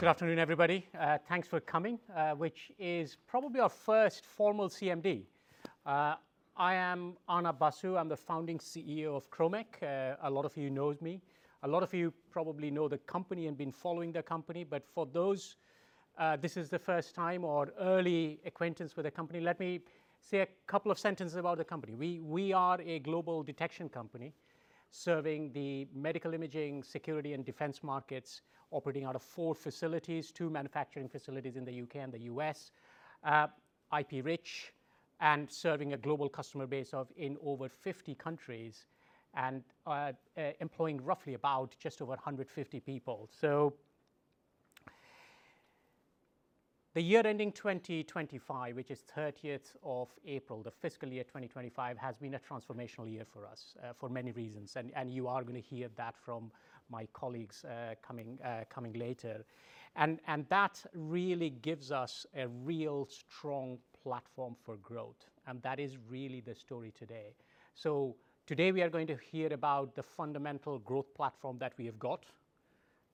Good afternoon, everybody. Thanks for coming, which is probably our first formal CMD. I am Arnab Basu. I'm the founding CEO of Kromek. A lot of you know me. A lot of you probably know the company and have been following the company. For those this is the first time or early acquaintance with the company, let me say a couple of sentences about the company. We are a global detection company serving the medical imaging, security, and defense markets, operating out of four facilities, two manufacturing facilities in the U.K. and the U.S., IP-rich, and serving a global customer base of over 50 countries and employing roughly about just over 150 people. For the year ending 2025, which is the 30th of April, the fiscal year 2025, it has been a transformational year for us for many reasons. You are going to hear that from my colleagues coming later. That really gives us a real strong platform for growth. That is really the story today. Today we are going to hear about the fundamental growth platform that we have got,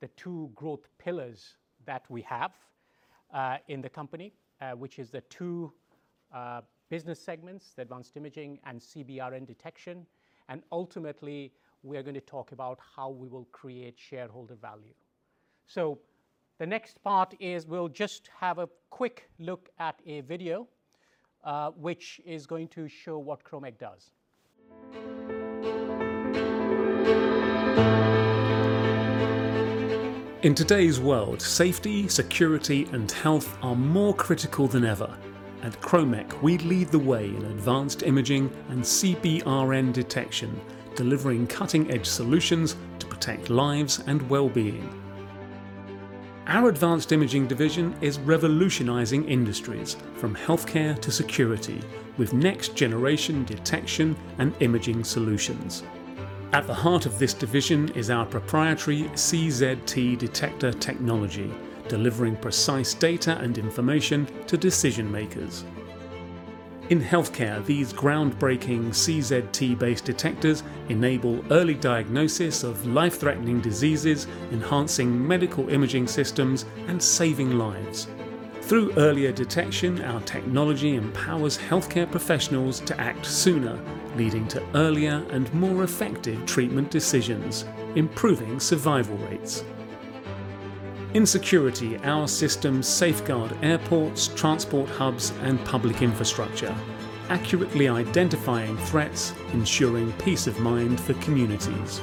the two growth pillars that we have in the company, which are the two business segments, Advanced Imaging and CBRN Detection. Ultimately, we are going to talk about how we will create shareholder value. The next part is we'll just have a quick look at a video, which is going to show what Kromek does. In today's world, safety, security, and health are more critical than ever. At Kromek, we lead the way in Advanced Imaging and CBRN Detection, delivering cutting-edge solutions to protect lives and well-being. Our Advanced Imaging division is revolutionizing industries from healthcare to security with next-generation detection and imaging solutions. At the heart of this division is our proprietary CZT detector technology, delivering precise data and information to decision-makers. In healthcare, these groundbreaking CZT-based detectors enable early diagnosis of life-threatening diseases, enhancing medical imaging systems and saving lives. Through earlier detection, our technology empowers healthcare professionals to act sooner, leading to earlier and more effective treatment decisions, improving survival rates. In security, our systems safeguard airports, transport hubs, and public infrastructure, accurately identifying threats, ensuring peace of mind for communities.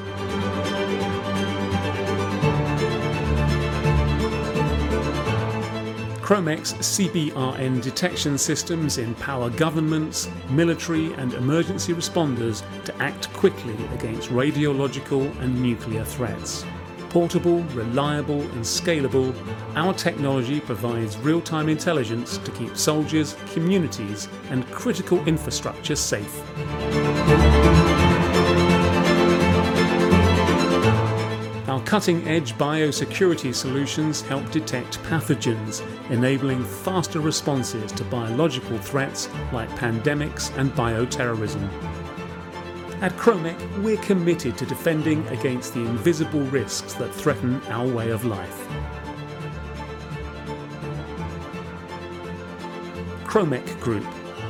Kromek's CBRN Detection systems empower governments, military, and emergency responders to act quickly against radiological and nuclear threats. Portable, reliable, and scalable, our technology provides real-time intelligence to keep soldiers, communities, and critical infrastructure safe. Our cutting-edge biosecurity solutions help detect pathogens, enabling faster responses to biological threats like pandemics and bioterrorism. At Kromek, we're committed to defending against the invisible risks that threaten our way of life. Kromek Group,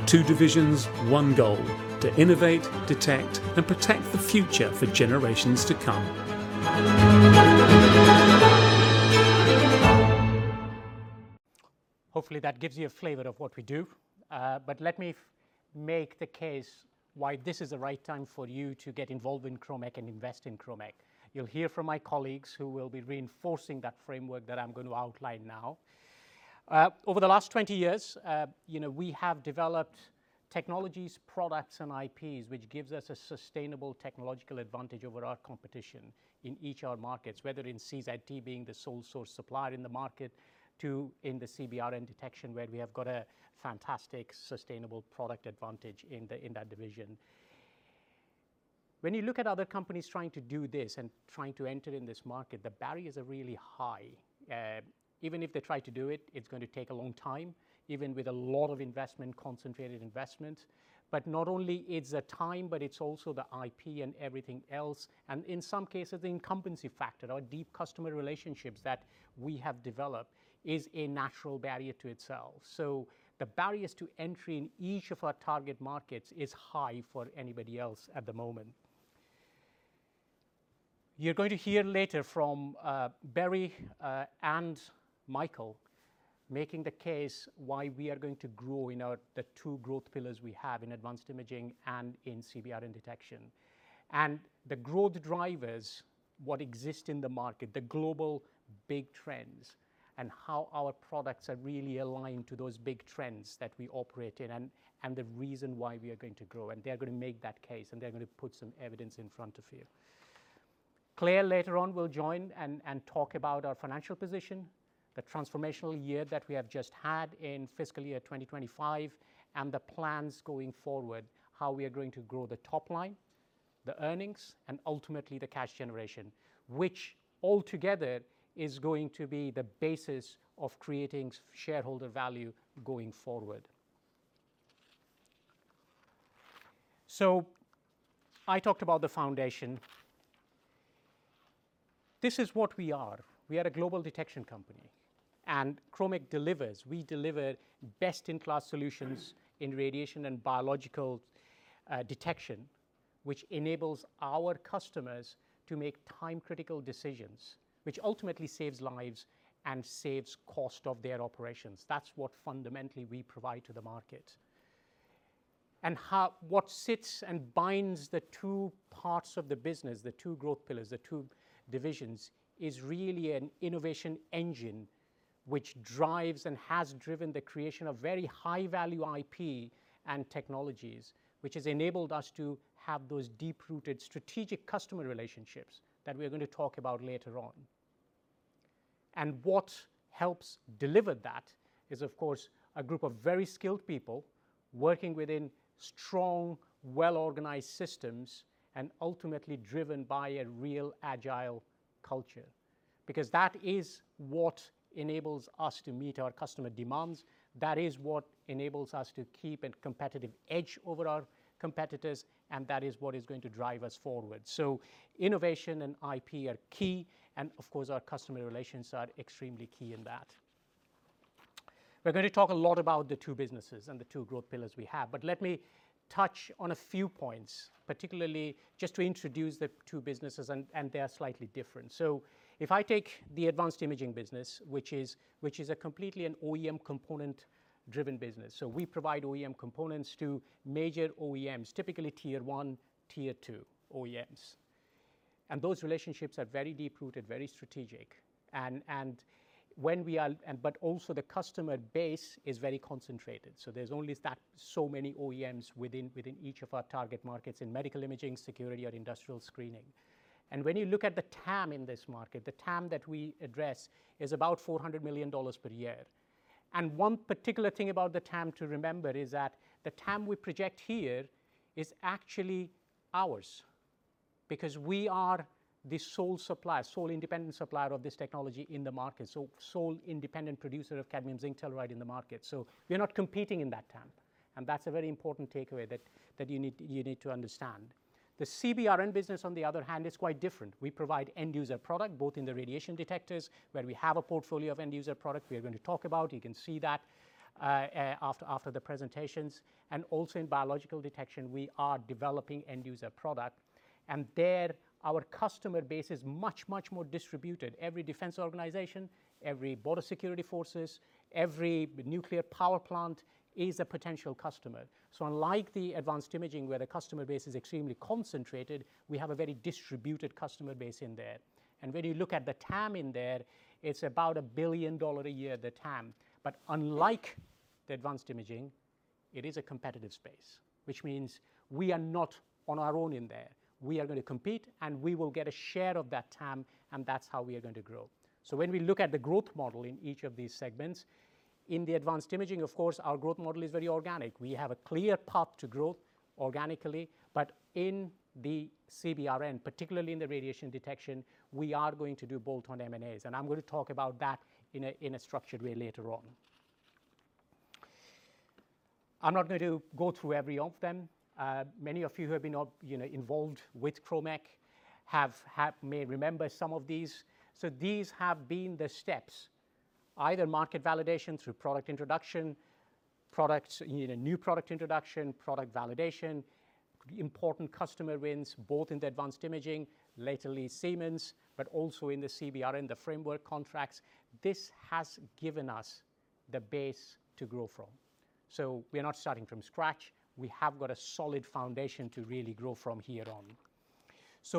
two divisions, one goal: to innovate, detect, and protect the future for generations to come. Hopefully, that gives you a flavor of what we do. Let me make the case why this is the right time for you to get involved in Kromek and invest in Kromek. You'll hear from my colleagues who will be reinforcing that framework that I'm going to outline now. Over the last 20 years, we have developed technologies, products, and IPs, which gives us a sustainable technological advantage over our competition in each of our markets, whether in CZT being the sole source supplier in the market to in the CBRN Detection, where we have got a fantastic sustainable product advantage in that division. When you look at other companies trying to do this and trying to enter in this market, the barriers are really high. Even if they try to do it, it's going to take a long time, even with a lot of investment, concentrated investment. Not only is it time, but it's also the IP and everything else. In some cases, the incumbency factor, our deep customer relationships that we have developed, is a natural barrier to itself. The barriers to entry in each of our target markets are high for anybody else at the moment. You're going to hear later from Barry and Michael making the case why we are going to grow in the two growth pillars we have in Advanced Imaging and in CBRN Detection. The growth drivers, what exists in the market, the global big trends, and how our products are really aligned to those big trends that we operate in, and the reason why we are going to grow. They're going to make that case, and they're going to put some evidence in front of you. Claire later on will join and talk about our financial position, the transformational year that we have just had in fiscal year 2025, and the plans going forward, how we are going to grow the top line, the earnings, and ultimately the cash generation, which altogether is going to be the basis of creating shareholder value going forward. I talked about the foundation. This is what we are. We are a global detection company. Kromek delivers. We deliver best-in-class solutions in radiation and biological detection, which enables our customers to make time-critical decisions, which ultimately saves lives and saves cost of their operations. That is what fundamentally we provide to the market. What sits and binds the two parts of the business, the two growth pillars, the two divisions, is really an innovation engine, which drives and has driven the creation of very high-value IP and technologies, which has enabled us to have those deep-rooted strategic customer relationships that we are going to talk about later on. What helps deliver that is, of course, a group of very skilled people working within strong, well-organized systems and ultimately driven by a real agile culture. That is what enables us to meet our customer demands. That is what enables us to keep a competitive edge over our competitors. That is what is going to drive us forward. Innovation and IP are key. Of course, our customer relations are extremely key in that. We're going to talk a lot about the two businesses and the two growth pillars we have. Let me touch on a few points, particularly just to introduce the two businesses, and they are slightly different. If I take the Advanced Imaging business, which is a completely OEM component-driven business, we provide OEM components to major OEMs, typically tier one, tier two OEMs. Those relationships are very deep-rooted, very strategic, but also, the customer base is very concentrated. There's only so many OEMs within each of our target markets in medical imaging, security, or industrial screening. When you look at the TAM in this market, the TAM that we address is about $400 million per year. One particular thing about the TAM to remember is that the TAM we project here is actually ours because we are the sole supplier, sole independent supplier of this technology in the market, sole independent producer of cadmium zinc telluride in the market. We are not competing in that TAM. That is a very important takeaway that you need to understand. The CBRN business, on the other hand, is quite different. We provide end-user product, both in the radiation detectors, where we have a portfolio of end-user products we are going to talk about. You can see that after the presentations. Also, in biological detection, we are developing end-user product. There, our customer base is much, much more distributed. Every defense organization, every border security forces, every nuclear power plant is a potential customer. Unlike the Advanced Imaging, where the customer base is extremely concentrated, we have a very distributed customer base in there. When you look at the TAM in there, it's about $1 billion a year, the TAM. Unlike the Advanced Imaging, it is a competitive space, which means we are not on our own in there. We are going to compete, and we will get a share of that TAM. That's how we are going to grow. When we look at the growth model in each of these segments, in the Advanced Imaging, of course, our growth model is very organic. We have a clear path to growth organically. In the CBRN, particularly in the radiation detection, we are going to do bolt-on M&As. I'm going to talk about that in a structured way later on. I'm not going to go through every one of them. Many of you who have been involved with Kromek may remember some of these. These have been the steps: either market validation through product introduction, new product introduction, product validation, important customer wins, both in the Advanced Imaging, lately Siemens, but also in the CBRN, the framework contracts. This has given us the base to grow from. We are not starting from scratch. We have got a solid foundation to really grow from here on.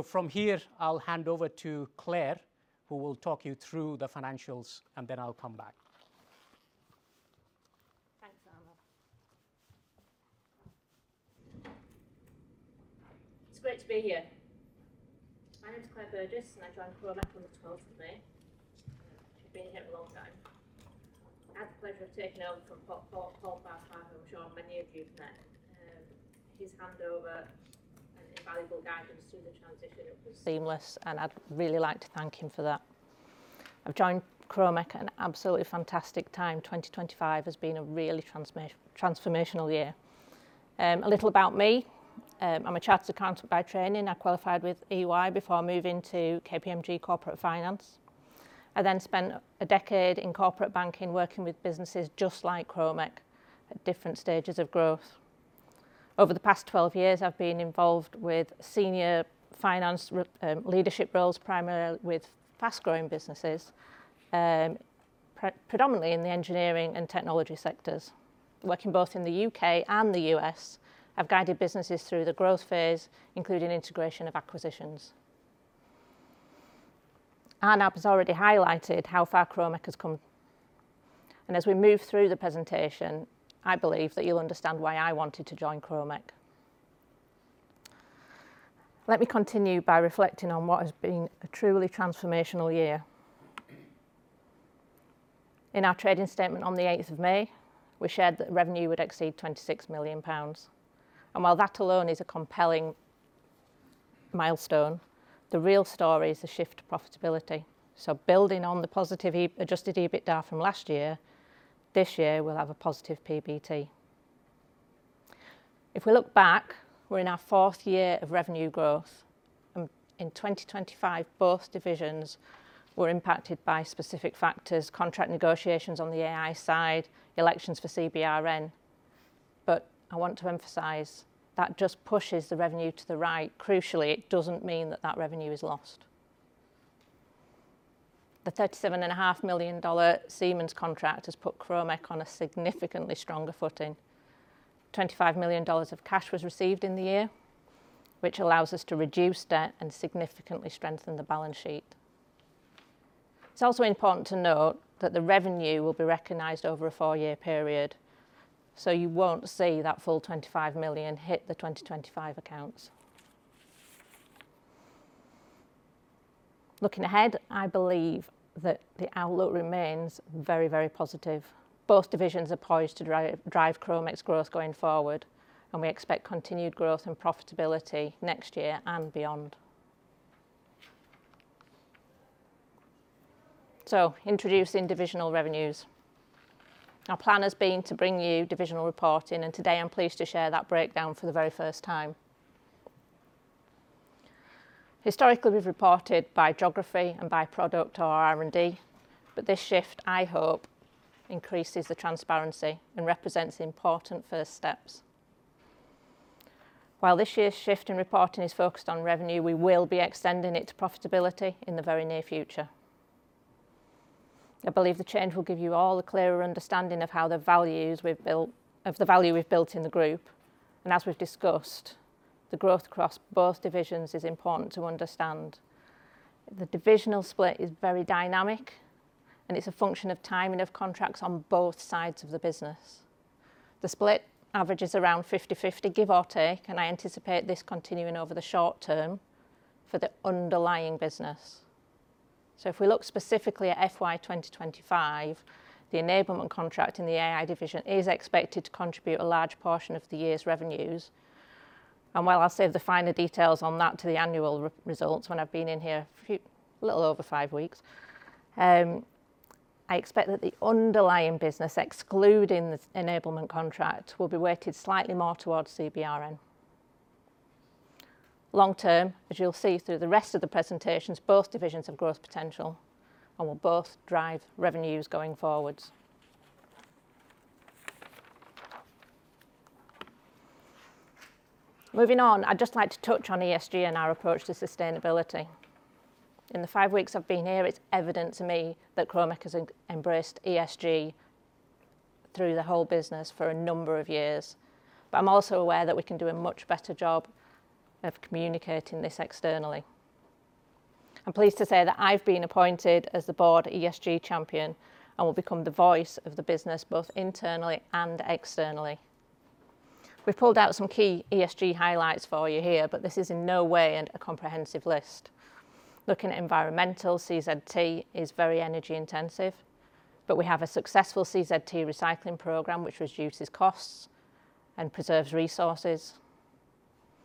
From here, I'll hand over to Claire, who will talk you through the financials, and then I'll come back. Thanks, Arnab. It's great to be here. My name is Claire Burgess, and I joined Kromek on the 12th of May. She's been here a long time. I had the pleasure of taking over from Paul Farquhar, who I'm sure many of you have met. His handover and invaluable guidance through the transition. Seamless. I would really like to thank him for that. I have joined Kromek at an absolutely fantastic time. 2025 has been a really transformational year. A little about me. I am a chartered accountant by training. I qualified with EY before moving to KPMG Corporate Finance. I then spent a decade in corporate banking, working with businesses just like Kromek at different stages of growth. Over the past 12 years, I have been involved with senior finance leadership roles, primarily with fast-growing businesses, predominantly in the engineering and technology sectors, working both in the U.K. and the U.S. I have guided businesses through the growth phase, including integration of acquisitions. Arnab has already highlighted how far Kromek has come. As we move through the presentation, I believe that you will understand why I wanted to join Kromek. Let me continue by reflecting on what has been a truly transformational year. In our trading statement on the 8th of May, we shared that revenue would exceed 26 million pounds. While that alone is a compelling milestone, the real story is the shift to profitability. Building on the positive adjusted EBITDA from last year, this year we'll have a positive PBT. If we look back, we're in our fourth year of revenue growth. In 2025, both divisions were impacted by specific factors: contract negotiations on the AI side, elections for CBRN. I want to emphasize that just pushes the revenue to the right. Crucially, it does not mean that that revenue is lost. The $37.5 million Siemens contract has put Kromek on a significantly stronger footing. $25 million of cash was received in the year, which allows us to reduce debt and significantly strengthen the balance sheet. It's also important to note that the revenue will be recognized over a four-year period. You won't see that full $25 million hit the 2025 accounts. Looking ahead, I believe that the outlook remains very, very positive. Both divisions are poised to drive Kromek's growth going forward. We expect continued growth and profitability next year and beyond. Introducing divisional revenues, our plan has been to bring you divisional reporting. Today, I'm pleased to share that breakdown for the very first time. Historically, we've reported by geography and by product or R&D. This shift, I hope, increases the transparency and represents important first steps. While this year's shift in reporting is focused on revenue, we will be extending it to profitability in the very near future. I believe the change will give you all a clearer understanding of how the value we've built in the group. As we have discussed, the growth across both divisions is important to understand. The divisional split is very dynamic, and it is a function of timing of contracts on both sides of the business. The split averages around 50/50, give or take. I anticipate this continuing over the short term for the underlying business. If we look specifically at FY 2025, the enablement contract in the AI division is expected to contribute a large portion of the year's revenues. While I will save the finer details on that to the annual results when I have been in here a little over five weeks, I expect that the underlying business, excluding the enablement contract, will be weighted slightly more towards CBRN. Long term, as you will see through the rest of the presentations, both divisions have growth potential and will both drive revenues going forward. Moving on, I'd just like to touch on ESG and our approach to sustainability. In the five weeks I've been here, it's evident to me that Kromek has embraced ESG through the whole business for a number of years. I'm also aware that we can do a much better job of communicating this externally. I'm pleased to say that I've been appointed as the Board ESG champion and will become the voice of the business both internally and externally. We've pulled out some key ESG highlights for you here, but this is in no way a comprehensive list. Looking at environmental, CZT is very energy intensive. We have a successful CZT recycling program, which reduces costs and preserves resources.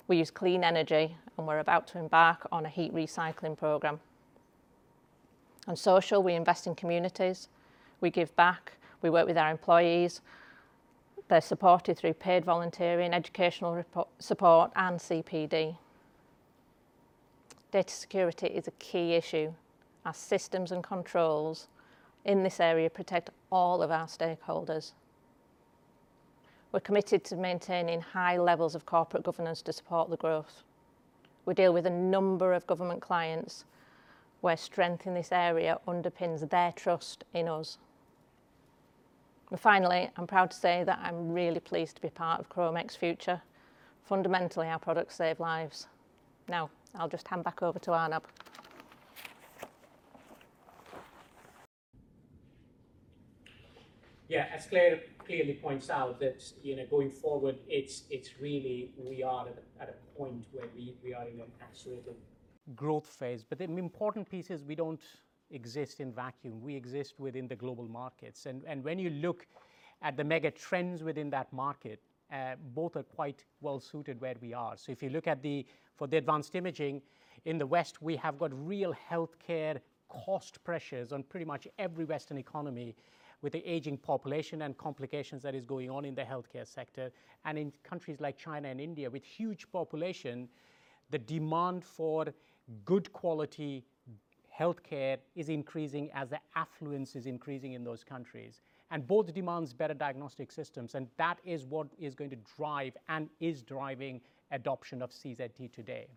We use clean energy, and we're about to embark on a heat recycling program. On social, we invest in communities. We give back. We work with our employees. They're supported through paid volunteering, educational support, and CPD. Data security is a key issue. Our systems and controls in this area protect all of our stakeholders. We're committed to maintaining high levels of corporate governance to support the growth. We deal with a number of government clients where strength in this area underpins their trust in us. Finally, I'm proud to say that I'm really pleased to be part of Kromek's future. Fundamentally, our products save lives. Now, I'll just hand back over to Arnab. Yeah, as Claire clearly points out, that going forward, it's really we are at a point where we are in an accelerated growth phase. The important piece is we don't exist in a vacuum. We exist within the global markets. When you look at the mega trends within that market, both are quite well-suited where we are. If you look at the for the Advanced Imaging in the West, we have got real healthcare cost pressures on pretty much every Western economy with the aging population and complications that are going on in the healthcare sector. In countries like China and India, with huge populations, the demand for good quality healthcare is increasing as the affluence is increasing in those countries. Both demand better diagnostic systems. That is what is going to drive and is driving adoption of CZT today.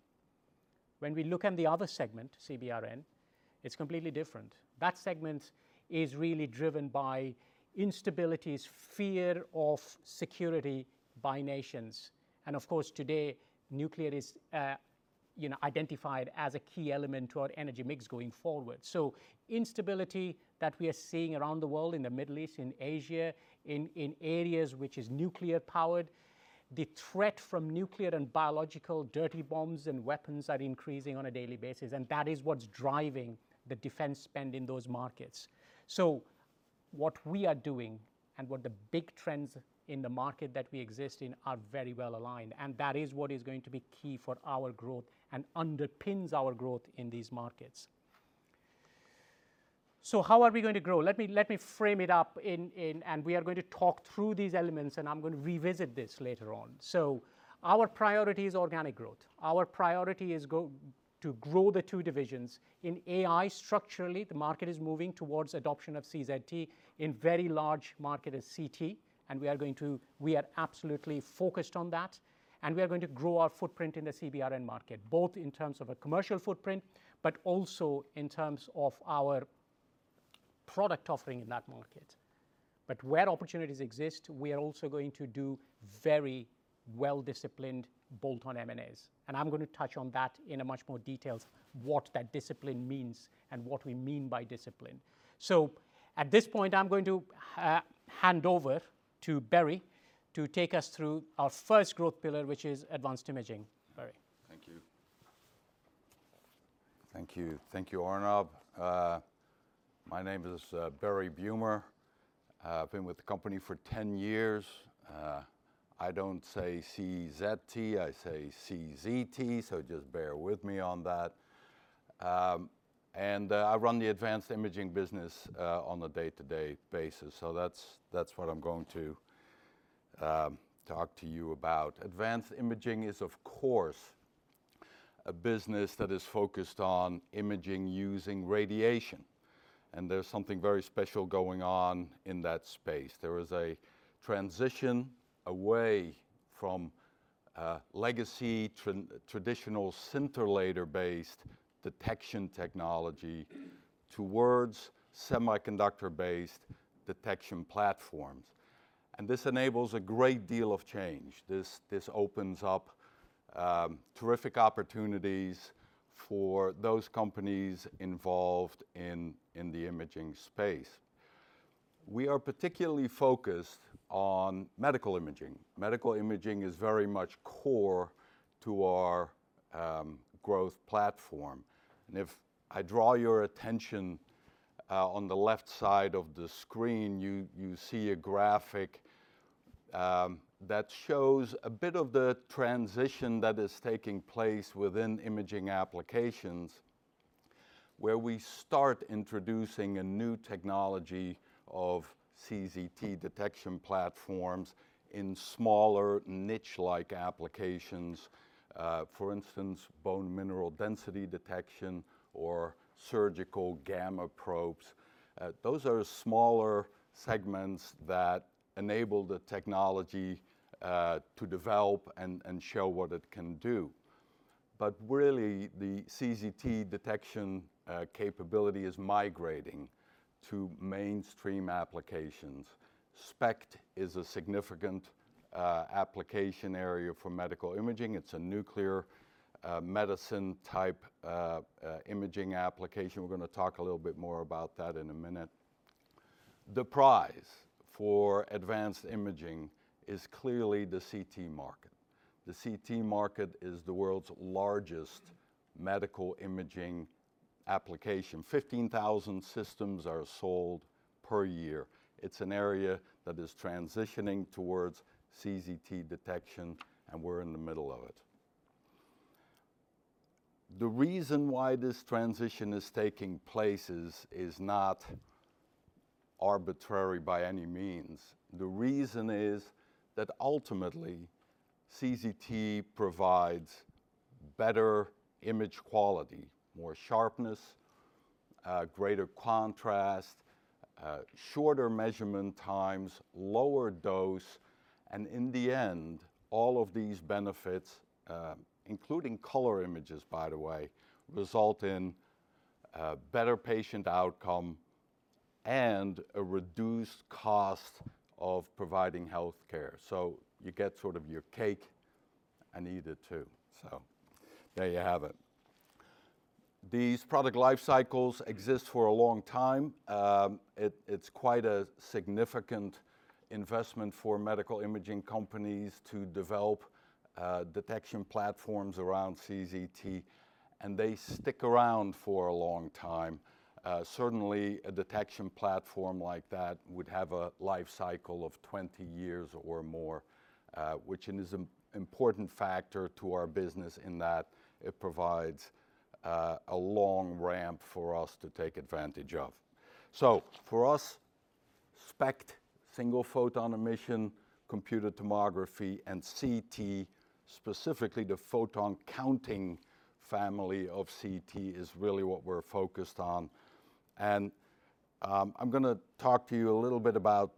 When we look at the other segment, CBRN, it's completely different. That segment is really driven by instabilities, fear of security by nations. Of course, today, nuclear is identified as a key element to our energy mix going forward. Instability that we are seeing around the world in the Middle East, in Asia, in areas which are nuclear-powered, the threat from nuclear and biological dirty bombs and weapons is increasing on a daily basis. That is what's driving the defense spend in those markets. What we are doing and what the big trends in the market that we exist in are very well aligned. That is what is going to be key for our growth and underpins our growth in these markets. How are we going to grow? Let me frame it up. We are going to talk through these elements. I'm going to revisit this later on. Our priority is organic growth. Our priority is to grow the two divisions. In AI, structurally, the market is moving towards adoption of CZT in very large markets as CT. We are absolutely focused on that. We are going to grow our footprint in the CBRN market, both in terms of a commercial footprint, but also in terms of our product offering in that market. Where opportunities exist, we are also going to do very well-disciplined bolt-on M&As. I'm going to touch on that in much more detail, what that discipline means and what we mean by discipline. At this point, I'm going to hand over to Barry to take us through our first growth pillar, which is Advanced Imaging. Barry. Thank you. Thank you. Thank you, Arnab. My name is Berry Beumer. I've been with the company for 10 years. I don't say CZT. I say CZT. Just bear with me on that. I run the Advanced Imaging business on a day-to-day basis. That is what I'm going to talk to you about. Advanced Imaging is, of course, a business that is focused on imaging using radiation. There is something very special going on in that space. There is a transition away from legacy, traditional scintillator-based detection technology towards semiconductor-based detection platforms. This enables a great deal of change. This opens up terrific opportunities for those companies involved in the imaging space. We are particularly focused on medical imaging. Medical imaging is very much core to our growth platform. If I draw your attention on the left side of the screen, you see a graphic that shows a bit of the transition that is taking place within imaging applications, where we start introducing a new technology of CZT detection platforms in smaller niche-like applications. For instance, bone mineral density detection or surgical gamma probes. Those are smaller segments that enable the technology to develop and show what it can do. Really, the CZT detection capability is migrating to mainstream applications. SPECT is a significant application area for medical imaging. It's a nuclear medicine-type imaging application. We're going to talk a little bit more about that in a minute. The prize for Advanced Imaging is clearly the CT market. The CT market is the world's largest medical imaging application. 15,000 systems are sold per year. It's an area that is transitioning towards CZT detection. We're in the middle of it. The reason why this transition is taking place is not arbitrary by any means. The reason is that ultimately, CZT provides better image quality, more sharpness, greater contrast, shorter measurement times, lower dose. In the end, all of these benefits, including color images, by the way, result in better patient outcome and a reduced cost of providing healthcare. You get sort of your cake and eat it too. There you have it. These product life cycles exist for a long time. It's quite a significant investment for medical imaging companies to develop detection platforms around CZT. They stick around for a long time. Certainly, a detection platform like that would have a life cycle of 20 years or more, which is an important factor to our business in that it provides a long ramp for us to take advantage of. For us, SPECT, single photon emission computed tomography, and CT, specifically the photon counting family of CT, is really what we're focused on. I'm going to talk to you a little bit about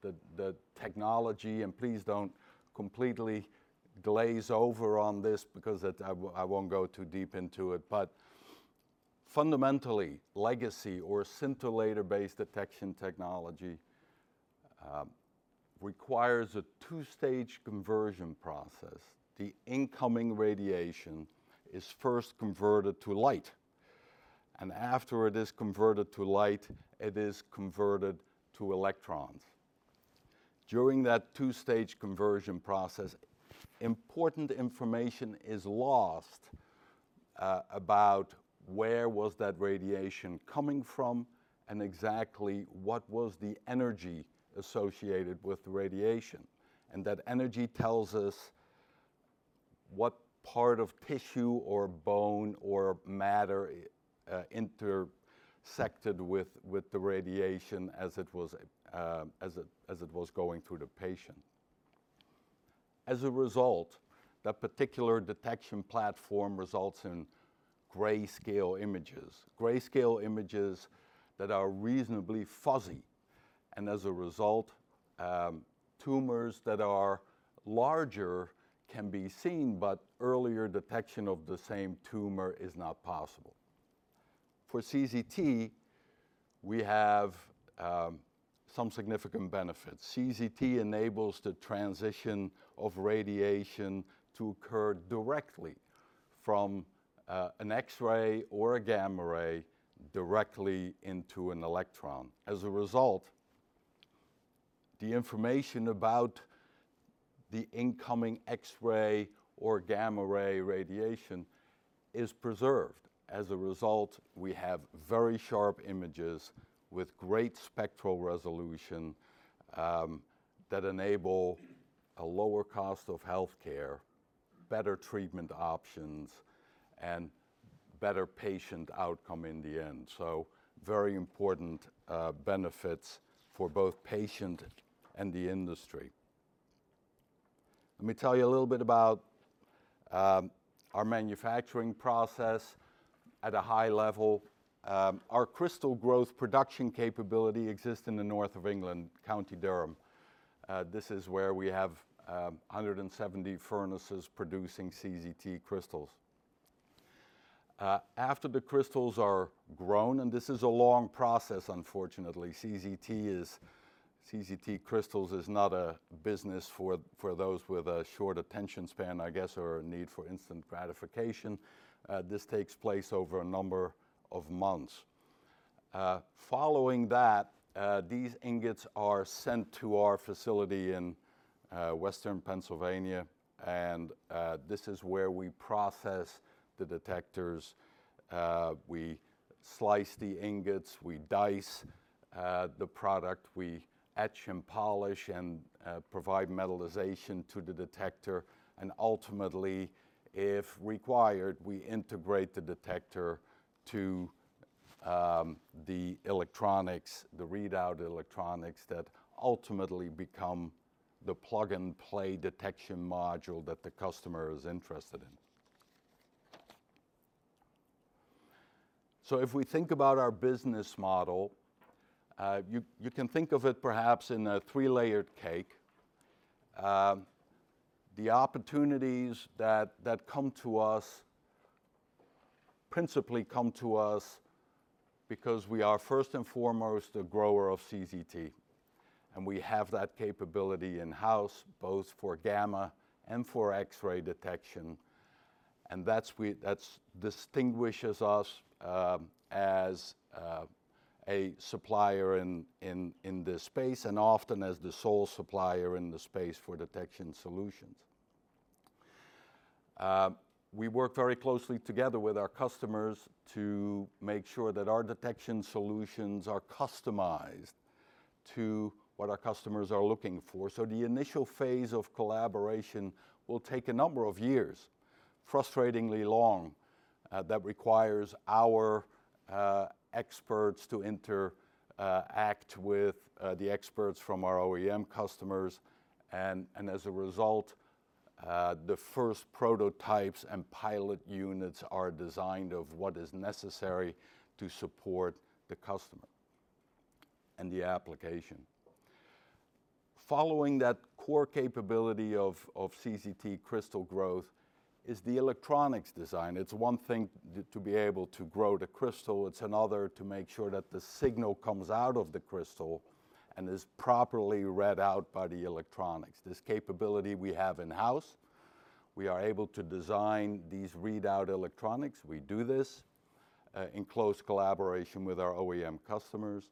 the technology. Please don't completely glaze over on this because I won't go too deep into it. Fundamentally, legacy or scintillator-based detection technology requires a two-stage conversion process. The incoming radiation is first converted to light. After it is converted to light, it is converted to electrons. During that two-stage conversion process, important information is lost about where was that radiation coming from and exactly what was the energy associated with the radiation. That energy tells us what part of tissue or bone or matter intersected with the radiation as it was going through the patient. As a result, that particular detection platform results in grayscale images, grayscale images that are reasonably fuzzy. As a result, tumors that are larger can be seen, but earlier detection of the same tumor is not possible. For CZT, we have some significant benefits. CZT enables the transition of radiation to occur directly from an X-ray or a gamma ray directly into an electron. As a result, the information about the incoming X-ray or gamma ray radiation is preserved. As a result, we have very sharp images with great spectral resolution that enable a lower cost of healthcare, better treatment options, and better patient outcome in the end. Very important benefits for both patient and the industry. Let me tell you a little bit about our manufacturing process at a high level. Our crystal growth production capability exists in the north of England, County Durham. This is where we have 170 furnaces producing CZT crystals. After the crystals are grown, and this is a long process, unfortunately, CZT crystals is not a business for those with a short attention span, I guess, or a need for instant gratification. This takes place over a number of months. Following that, these ingots are sent to our facility in western Pennsylvania. This is where we process the detectors. We slice the ingots. We dice the product. We etch and polish and provide metalization to the detector. Ultimately, if required, we integrate the detector to the electronics, the readout electronics that ultimately become the plug-and-play detection module that the customer is interested in. If we think about our business model, you can think of it perhaps in a three-layered cake. The opportunities that come to us principally come to us because we are first and foremost a grower of CZT. We have that capability in-house, both for gamma and for X-ray detection. That distinguishes us as a supplier in this space and often as the sole supplier in the space for detection solutions. We work very closely together with our customers to make sure that our detection solutions are customized to what our customers are looking for. The initial phase of collaboration will take a number of years, frustratingly long. That requires our experts to interact with the experts from our OEM customers. As a result, the first prototypes and pilot units are designed of what is necessary to support the customer and the application. Following that core capability of CZT crystal growth is the electronics design. It is one thing to be able to grow the crystal. It is another to make sure that the signal comes out of the crystal and is properly read out by the electronics. This capability we have in-house. We are able to design these readout electronics. We do this in close collaboration with our OEM customers.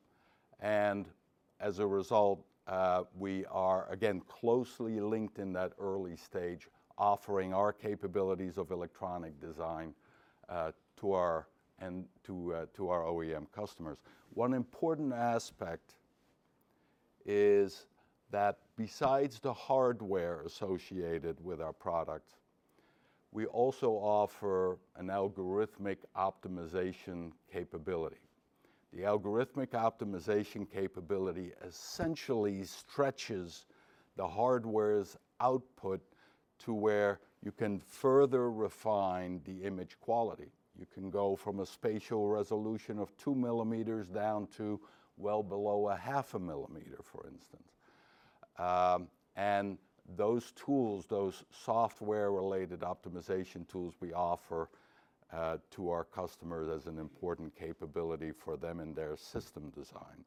As a result, we are, again, closely linked in that early stage, offering our capabilities of electronic design to our OEM customers. One important aspect is that besides the hardware associated with our products, we also offer an algorithmic optimization capability. The algorithmic optimization capability essentially stretches the hardware's output to where you can further refine the image quality. You can go from a spatial resolution of 2 millimeters down to well below a half a millimeter, for instance. Those tools, those software-related optimization tools we offer to our customers as an important capability for them in their system design.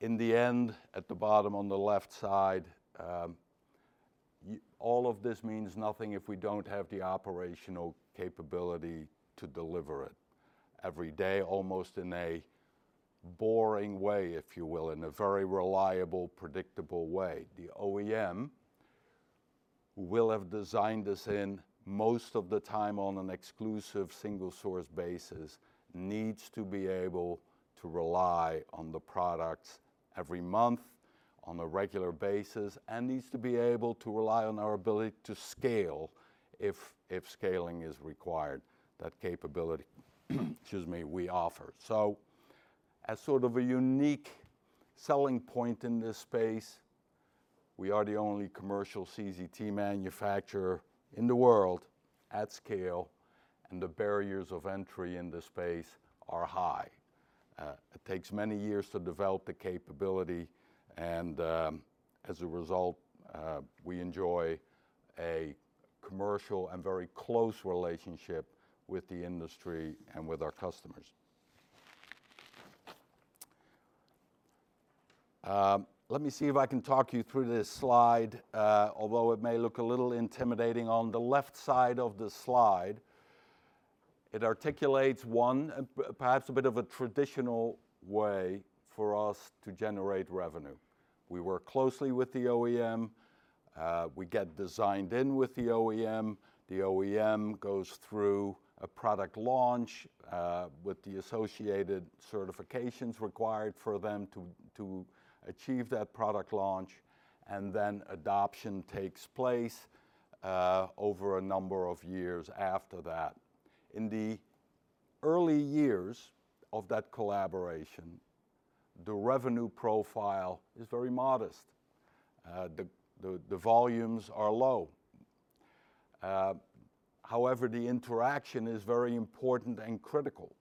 In the end, at the bottom on the left side, all of this means nothing if we do not have the operational capability to deliver it every day, almost in a boring way, if you will, in a very reliable, predictable way. The OEM, who will have designed this in most of the time on an exclusive single-source basis, needs to be able to rely on the products every month on a regular basis and needs to be able to rely on our ability to scale if scaling is required, that capability we offer. As sort of a unique selling point in this space, we are the only commercial CZT manufacturer in the world at scale. The barriers of entry in this space are high. It takes many years to develop the capability. As a result, we enjoy a commercial and very close relationship with the industry and with our customers. Let me see if I can talk you through this slide. Although it may look a little intimidating on the left side of the slide, it articulates one, perhaps a bit of a traditional way for us to generate revenue. We work closely with the OEM. We get designed in with the OEM. The OEM goes through a product launch with the associated certifications required for them to achieve that product launch. Then adoption takes place over a number of years after that. In the early years of that collaboration, the revenue profile is very modest. The volumes are low. However, the interaction is very important and critical.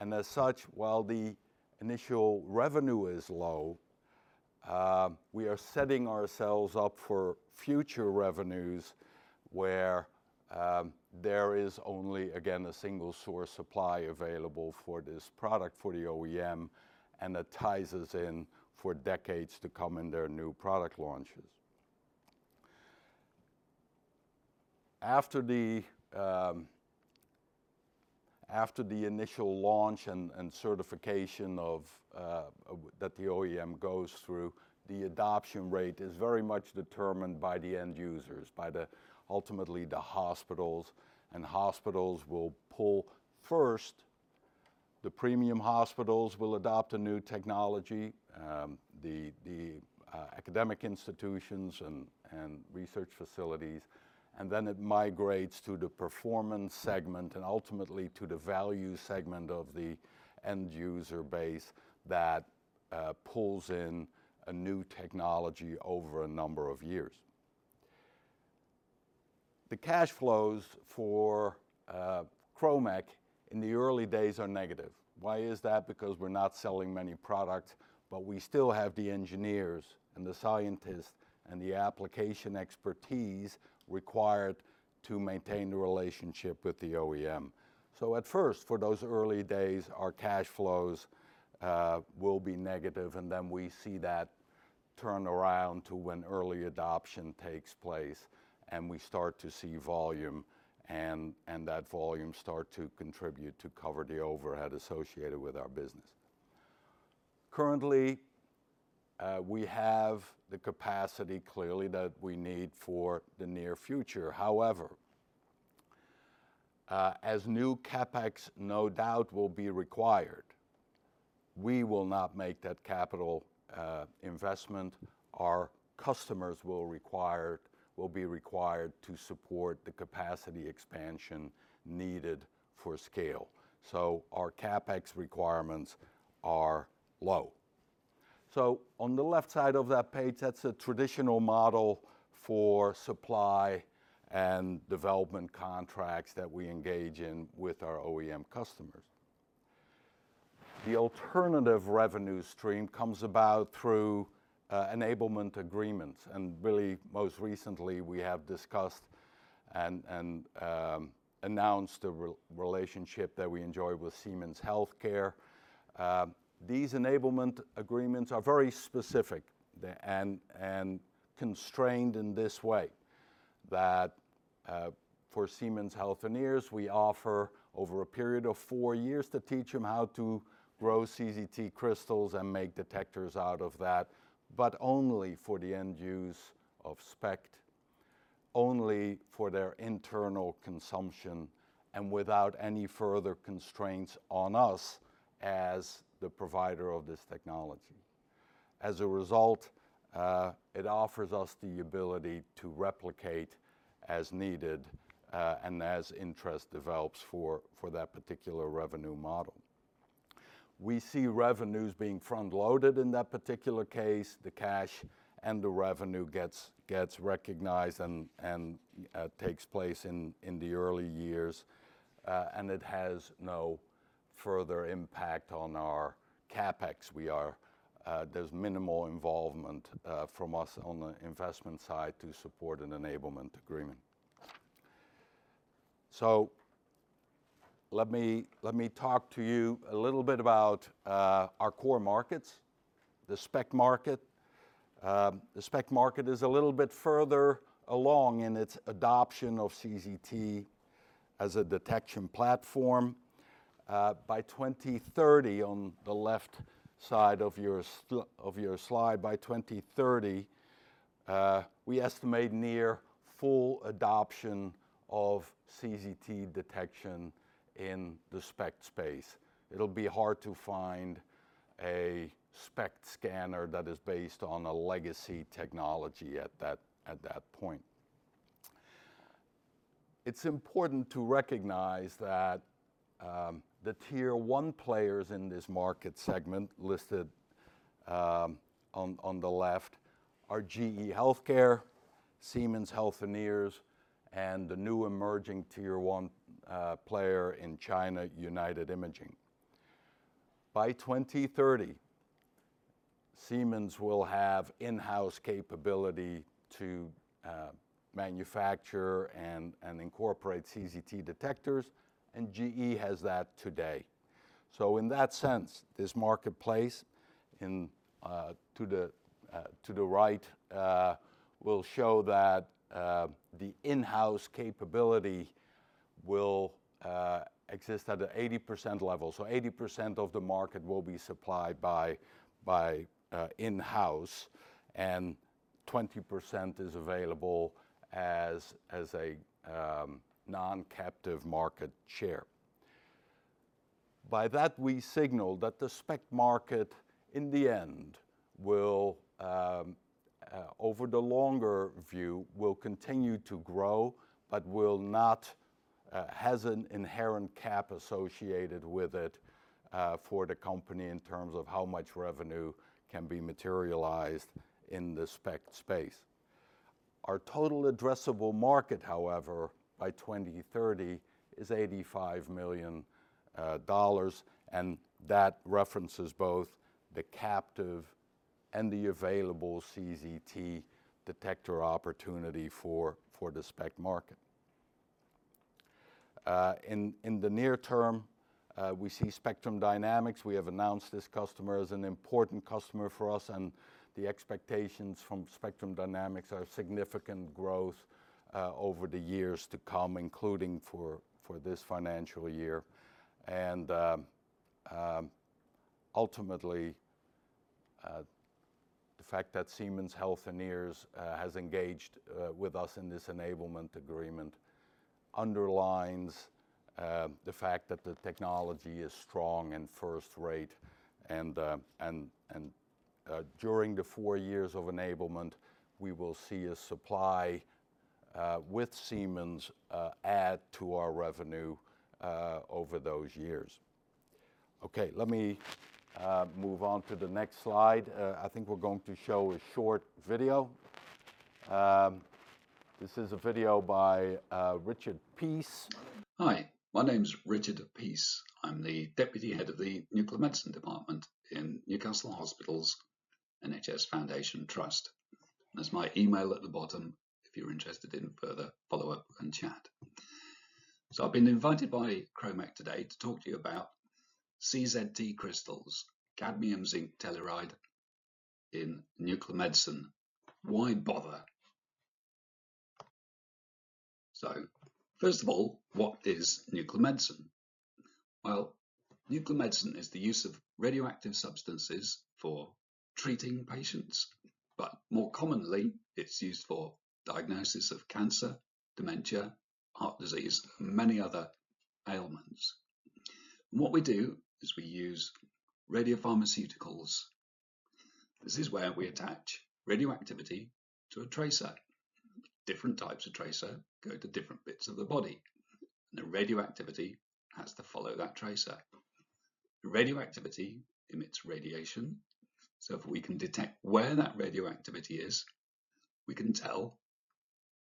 As such, while the initial revenue is low, we are setting ourselves up for future revenues where there is only, again, a single-source supply available for this product for the OEM. It ties us in for decades to come in their new product launches. After the initial launch and certification that the OEM goes through, the adoption rate is very much determined by the end users, by ultimately the hospitals. Hospitals will pull first. The premium hospitals will adopt a new technology, the academic institutions and research facilities. It migrates to the performance segment and ultimately to the value segment of the end user base that pulls in a new technology over a number of years. The cash flows for Kromek in the early days are negative. Why is that? Because we're not selling many products. We still have the engineers and the scientists and the application expertise required to maintain the relationship with the OEM. At first, for those early days, our cash flows will be negative. We see that turn around to when early adoption takes place. We start to see volume. That volume starts to contribute to cover the overhead associated with our business. Currently, we have the capacity clearly that we need for the near future. However, as new CapEx, no doubt will be required, we will not make that capital investment. Our customers will be required to support the capacity expansion needed for scale. Our CapEx requirements are low. On the left side of that page, that is a traditional model for supply and development contracts that we engage in with our OEM customers. The alternative revenue stream comes about through enablement agreements. Most recently, we have discussed and announced the relationship that we enjoy with Siemens Healthineers. These enablement agreements are very specific and constrained in this way that for Siemens Healthineers, we offer over a period of four years to teach them how to grow CZT crystals and make detectors out of that, but only for the end use of SPECT, only for their internal consumption, and without any further constraints on us as the provider of this technology. As a result, it offers us the ability to replicate as needed and as interest develops for that particular revenue model. We see revenues being front-loaded in that particular case. The cash and the revenue gets recognized and takes place in the early years. It has no further impact on our CapEx. There is minimal involvement from us on the investment side to support an enablement agreement. Let me talk to you a little bit about our core markets, the SPECT market. The SPECT market is a little bit further along in its adoption of CZT as a detection platform. By 2030, on the left side of your slide, by 2030, we estimate near full adoption of CZT detection in the SPECT space. It'll be hard to find a SPECT scanner that is based on a legacy technology at that point. It's important to recognize that the tier one players in this market segment listed on the left are GE Healthcare, Siemens Healthineers, and the new emerging tier one player in China, United Imaging. By 2030, Siemens will have in-house capability to manufacture and incorporate CZT detectors. GE has that today. In that sense, this marketplace to the right will show that the in-house capability will exist at an 80% level. 80% of the market will be supplied by in-house. 20% is available as a non-captive market share. By that, we signal that the SPECT market, in the end, over the longer view, will continue to grow, but will not have an inherent cap associated with it for the company in terms of how much revenue can be materialized in the SPECT space. Our total addressable market, however, by 2030, is $85 million. That references both the captive and the available CZT detector opportunity for the SPECT market. In the near term, we see Spectrum Dynamics. We have announced this customer as an important customer for us. The expectations from Spectrum Dynamics are significant growth over the years to come, including for this financial year. Ultimately, the fact that Siemens Healthineers has engaged with us in this enablement agreement underlines the fact that the technology is strong and first rate. During the four years of enablement, we will see a supply with Siemens add to our revenue over those years. Okay. Let me move on to the next slide. I think we're going to show a short video. This is a video by Richard Peace. Hi. My name's Richard Peace. I'm the Deputy Head of the Nuclear Medicine Department in Newcastle Hospitals, NHS Foundation Trust. That's my email at the bottom if you're interested in further follow-up and chat. I've been invited by Kromek today to talk to you about CZT crystals, Cadmium Zinc Telluride in nuclear medicine. Why bother? First of all, what is nuclear medicine? Nuclear medicine is the use of radioactive substances for treating patients. More commonly, it's used for diagnosis of cancer, dementia, heart disease, and many other ailments. What we do is we use radio pharmaceuticals. This is where we attach radioactivity to a tracer. Different types of tracer go to different bits of the body. The radioactivity has to follow that tracer. Radioactivity emits radiation. If we can detect where that radioactivity is, we can tell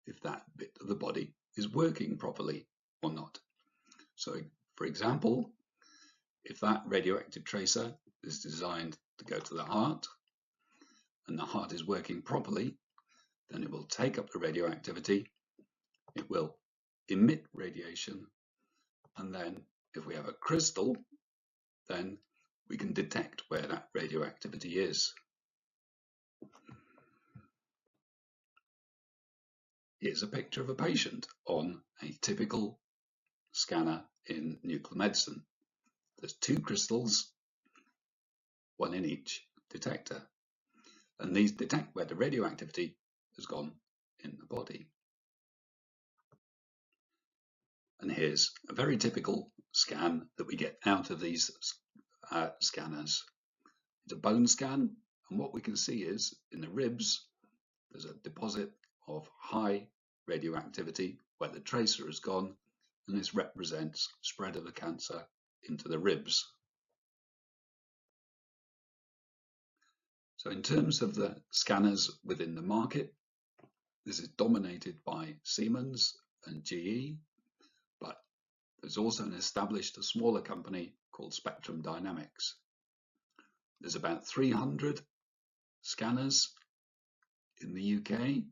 if that bit of the body is working properly or not. For example, if that radioactive tracer is designed to go to the heart and the heart is working properly, it will take up the radioactivity. It will emit radiation. If we have a crystal, we can detect where that radioactivity is. Here is a picture of a patient on a typical scanner in nuclear medicine. There are two crystals, one in each detector. These detect where the radioactivity has gone in the body. Here is a very typical scan that we get out of these scanners. It is a bone scan. What we can see is in the ribs, there's a deposit of high radioactivity where the tracer has gone. This represents spread of the cancer into the ribs. In terms of the scanners within the market, this is dominated by Siemens and GE. There's also an established smaller company called Spectrum Dynamics. There are about 300 scanners in the U.K.,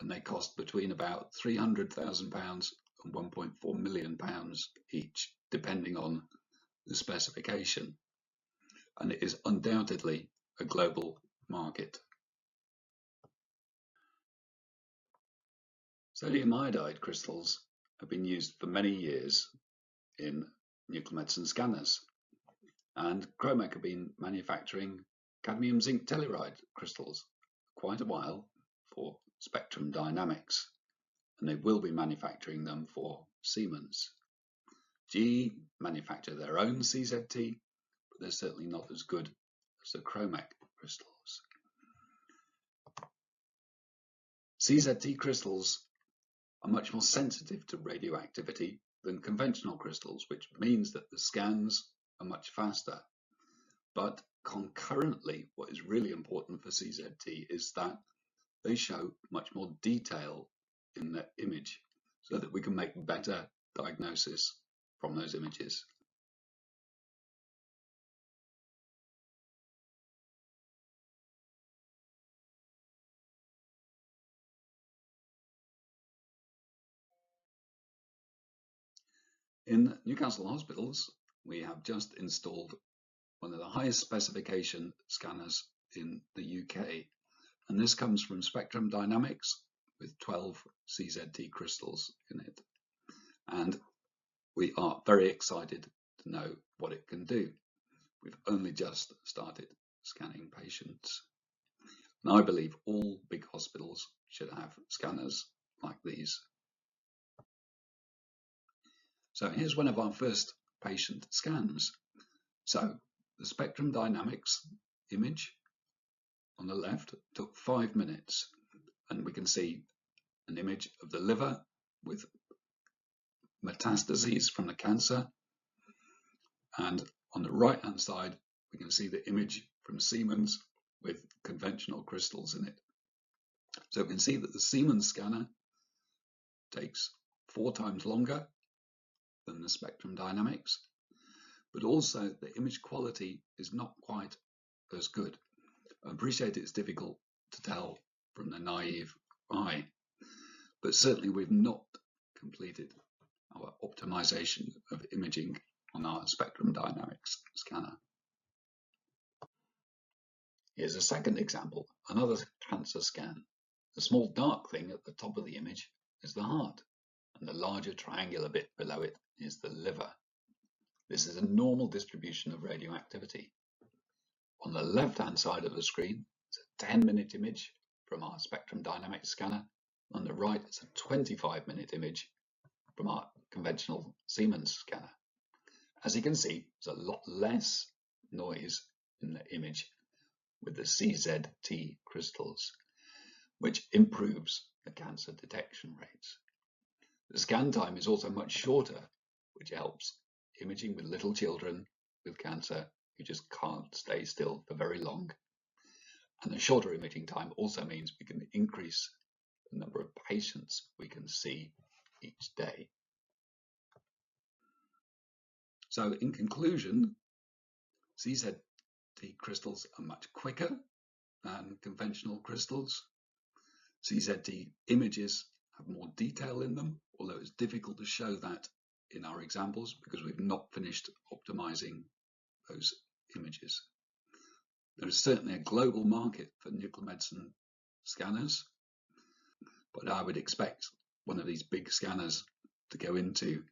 and they cost between 300,000-1.4 million pounds each, depending on the specification. It is undoubtedly a global market. Sodium iodide crystals have been used for many years in nuclear medicine scanners. Kromek have been manufacturing cadmium zinc telluride crystals for quite a while for Spectrum Dynamics, and they will be manufacturing them for Siemens. GE manufactures their own CZT, but they're certainly not as good as the Kromek crystals. CZT crystals are much more sensitive to radioactivity than conventional crystals, which means that the scans are much faster. What is really important for CZT is that they show much more detail in the image so that we can make better diagnosis from those images. In Newcastle Hospitals, we have just installed one of the highest specification scanners in the U.K. This comes from Spectrum Dynamics with 12 CZT crystals in it. We are very excited to know what it can do. We've only just started scanning patients. I believe all big hospitals should have scanners like these. Here is one of our first patient scans. The Spectrum Dynamics image on the left took five minutes. We can see an image of the liver with metastases from the cancer. On the right-hand side, we can see the image from Siemens with conventional crystals in it. We can see that the Siemens scanner takes four times longer than the Spectrum Dynamics. Also, the image quality is not quite as good. I appreciate it's difficult to tell from the naive eye. Certainly, we've not completed our optimization of imaging on our Spectrum Dynamics scanner. Here's a second example, another cancer scan. The small dark thing at the top of the image is the heart. The larger triangular bit below it is the liver. This is a normal distribution of radioactivity. On the left-hand side of the screen, it's a 10-minute image from our Spectrum Dynamics scanner. On the right, it's a 25-minute image from our conventional Siemens scanner. As you can see, there's a lot less noise in the image with the CZT crystals, which improves the cancer detection rates. The scan time is also much shorter, which helps imaging with little children with cancer who just can't stay still for very long. The shorter imaging time also means we can increase the number of patients we can see each day. In conclusion, CZT crystals are much quicker than conventional crystals. CZT images have more detail in them, although it's difficult to show that in our examples because we've not finished optimizing those images. There is certainly a global market for nuclear medicine scanners. I would expect one of these big scanners to go into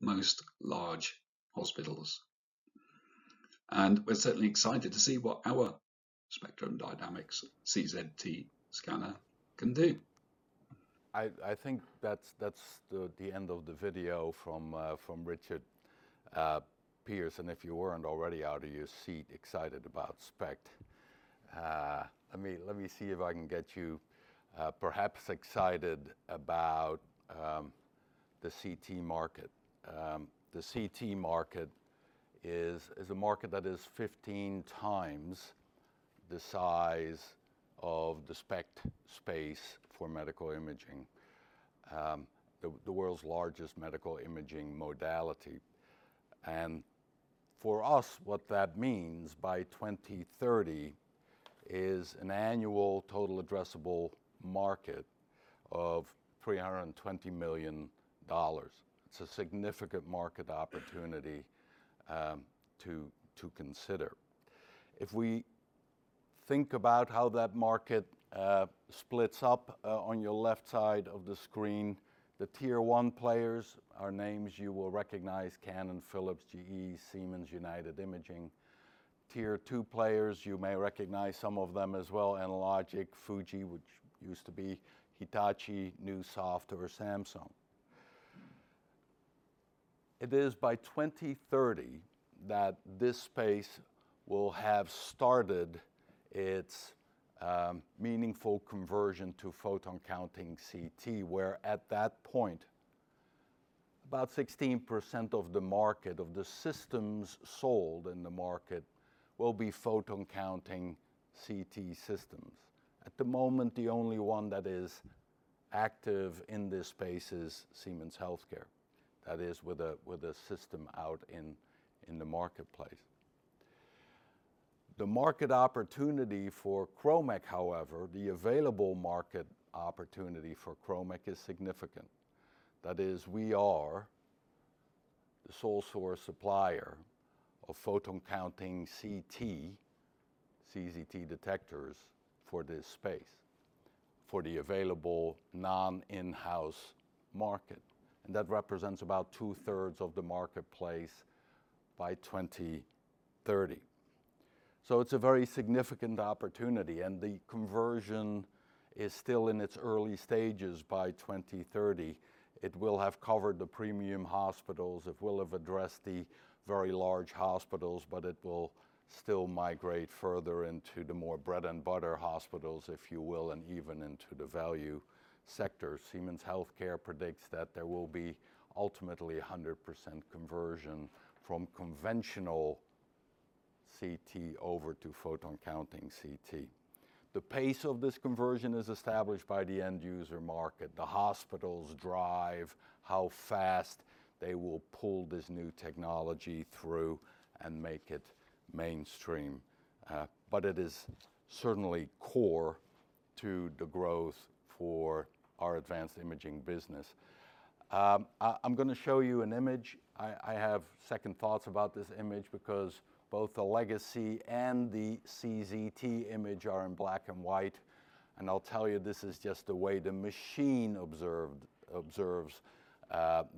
most large hospitals. We're certainly excited to see what our Spectrum Dynamics CZT scanner can do. I think that's the end of the video from Richard Peace. If you were not already out of your seat excited about SPECT, let me see if I can get you perhaps excited about the CT market. The CT market is a market that is 15 times the size of the SPECT space for medical imaging, the world's largest medical imaging modality. For us, what that means by 2030 is an annual total addressable market of $320 million. It is a significant market opportunity to consider. If we think about how that market splits up, on your left side of the screen, the tier one players are names you will recognize: Canon, Philips, GE, Siemens, United Imaging. Tier two players, you may recognize some of them as well: Analogic, Fujifilm, which used to be Hitachi, Neusoft, or Samsung. It is by 2030 that this space will have started its meaningful conversion to photon-counting CT, where at that point, about 16% of the market of the systems sold in the market will be photon-counting CT systems. At the moment, the only one that is active in this space is Siemens Healthineers. That is with a system out in the marketplace. The market opportunity for Kromek, however, the available market opportunity for Kromek is significant. That is, we are the sole source supplier of photon-counting CT, CZT detectors for this space for the available non-in-house market. That represents about 2/3 of the marketplace by 2030. It is a very significant opportunity. The conversion is still in its early stages by 2030. It will have covered the premium hospitals. It will have addressed the very large hospitals. It will still migrate further into the more bread-and-butter hospitals, if you will, and even into the value sector. Siemens Healthineers predicts that there will be ultimately 100% conversion from conventional CT over to photon-counting CT. The pace of this conversion is established by the end-user market. The hospitals drive how fast they will pull this new technology through and make it mainstream. It is certainly core to the growth for our Advanced Imaging business. I'm going to show you an image. I have second thoughts about this image because both the legacy and the CZT image are in black and white. I'll tell you, this is just the way the machine observes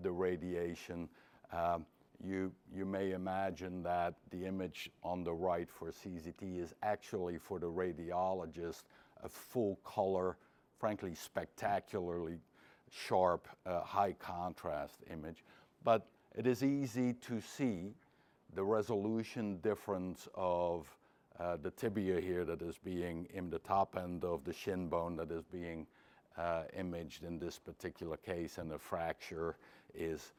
the radiation. You may imagine that the image on the right for CZT is actually for the radiologist, a full-color, frankly, spectacularly sharp, high-contrast image. It is easy to see the resolution difference of the tibia here that is being in the top end of the shin bone that is being imaged in this particular case. The fracture is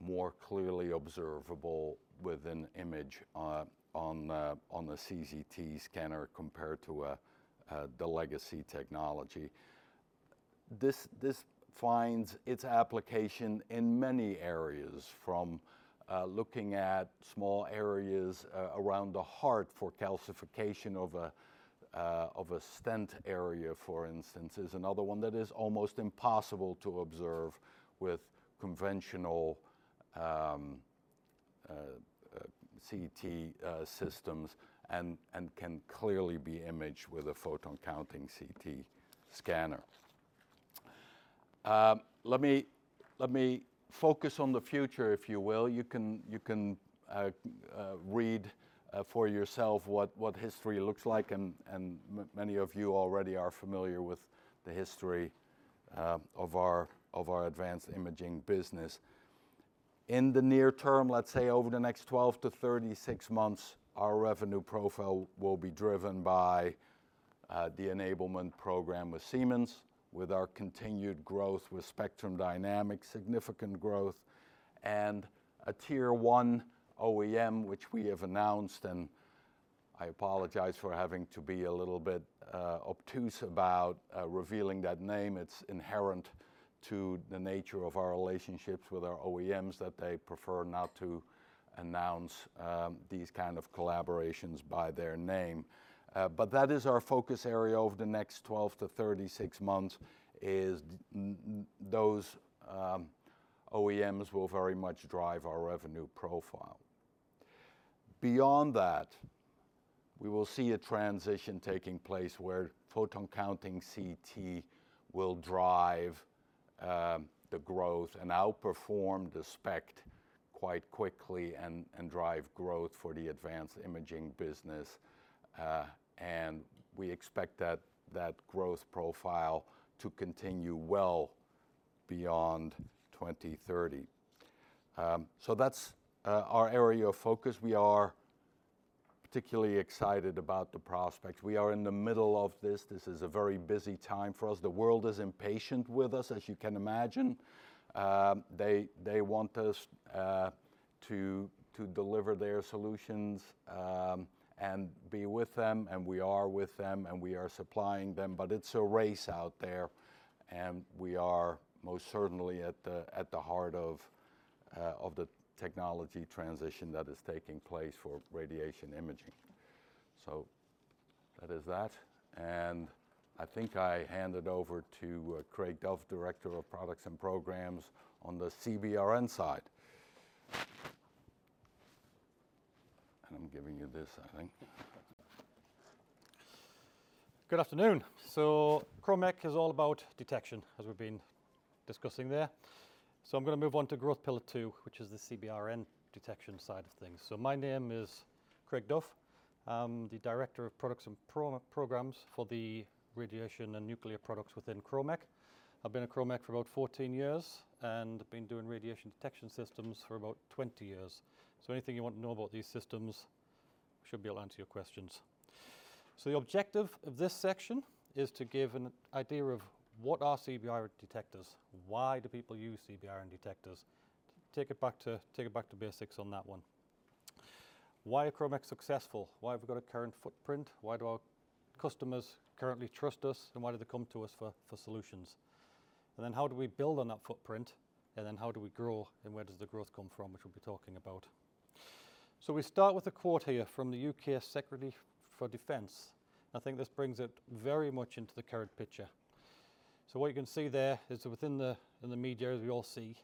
more clearly observable with an image on the CZT scanner compared to the legacy technology. This finds its application in many areas, from looking at small areas around the heart for calcification of a stent area, for instance, which is another one that is almost impossible to observe with conventional CT systems and can clearly be imaged with a photon-counting CT scanner. Let me focus on the future, if you will. You can read for yourself what history looks like. Many of you already are familiar with the history of our Advanced Imaging business. In the near term, let's say over the next 12-36 months, our revenue profile will be driven by the enablement program with Siemens Healthineers, with our continued growth with Spectrum Dynamics, significant growth, and a tier one OEM, which we have announced. I apologize for having to be a little bit obtuse about revealing that name. It is inherent to the nature of our relationships with our OEMs that they prefer not to announce these kinds of collaborations by their name. That is our focus area over the next 12-36 months, as those OEMs will very much drive our revenue profile. Beyond that, we will see a transition taking place where photon-counting CT will drive the growth and outperform the SPECT quite quickly and drive growth for the Advanced Imaging business. We expect that growth profile to continue well beyond 2030. That is our area of focus. We are particularly excited about the prospects. We are in the middle of this. This is a very busy time for us. The world is impatient with us, as you can imagine. They want us to deliver their solutions and be with them. We are with them. We are supplying them. It is a race out there. We are most certainly at the heart of the technology transition that is taking place for radiation imaging. That is that. I think I hand it over to Craig Duff, Director of Products and Programs on the CBRN side. I am giving you this, I think. Good afternoon. Kromek is all about detection, as we have been discussing there. I am going to move on to growth pillar two, which is the CBRN Detection side of things. My name is Craig Duff. I'm the Director of Products and Programs for the radiation and nuclear products within Kromek. I've been at Kromek for about 14 years. I've been doing radiation detection systems for about 20 years. Anything you want to know about these systems, we should be able to answer your questions. The objective of this section is to give an idea of what are CBRN detectors, why do people use CBRN detectors. Take it back to basics on that one. Why are Kromek successful? Why have we got a current footprint? Why do our customers currently trust us? Why do they come to us for solutions? How do we build on that footprint? How do we grow? Where does the growth come from, which we'll be talking about? We start with a quote here from the U.K. Secretary for Defense. I think this brings it very much into the current picture. What you can see there is within the media, as we all see,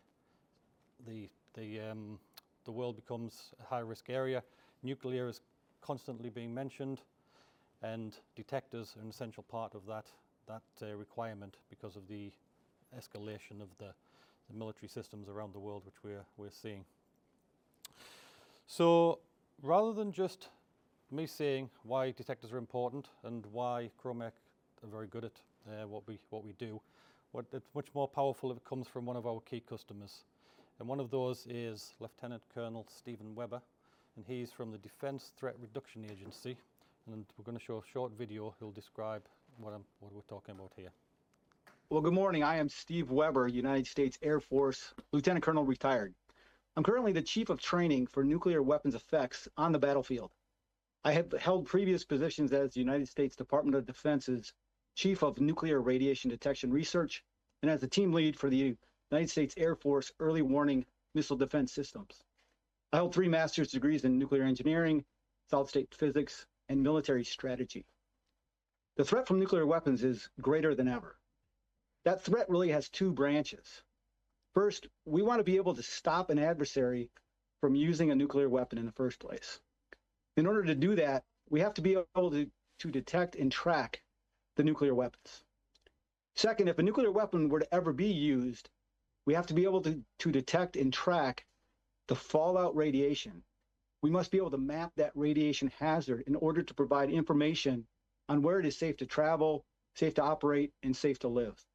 the world becomes a high-risk area. Nuclear is constantly being mentioned. Detectors are an essential part of that requirement because of the escalation of the military systems around the world, which we're seeing. Rather than just me saying why detectors are important and why Kromek are very good at what we do, it's much more powerful if it comes from one of our key customers. One of those is Lieutenant Colonel Steven Webber. He's from the Defense Threat Reduction Agency. We're going to show a short video who'll describe what we're talking about here. Good morning. I am Steve Webber, United States Air Force Lieutenant Colonel retired. I'm currently the Chief of Training for Nuclear Weapons Effects on the battlefield. I have held previous positions as the United States Department of Defense's Chief of Nuclear Radiation Detection Research and as the team lead for the United States Air Force Early Warning Missile Defense Systems. I hold three master's degrees in nuclear engineering, solid-state physics, and military strategy. The threat from nuclear weapons is greater than ever. That threat really has two branches. First, we want to be able to stop an adversary from using a nuclear weapon in the first place. In order to do that, we have to be able to detect and track the nuclear weapons. Second, if a nuclear weapon were to ever be used, we have to be able to detect and track the fallout radiation. We must be able to map that radiation hazard in order to provide information on where it is safe to travel, safe to operate, and safe to live.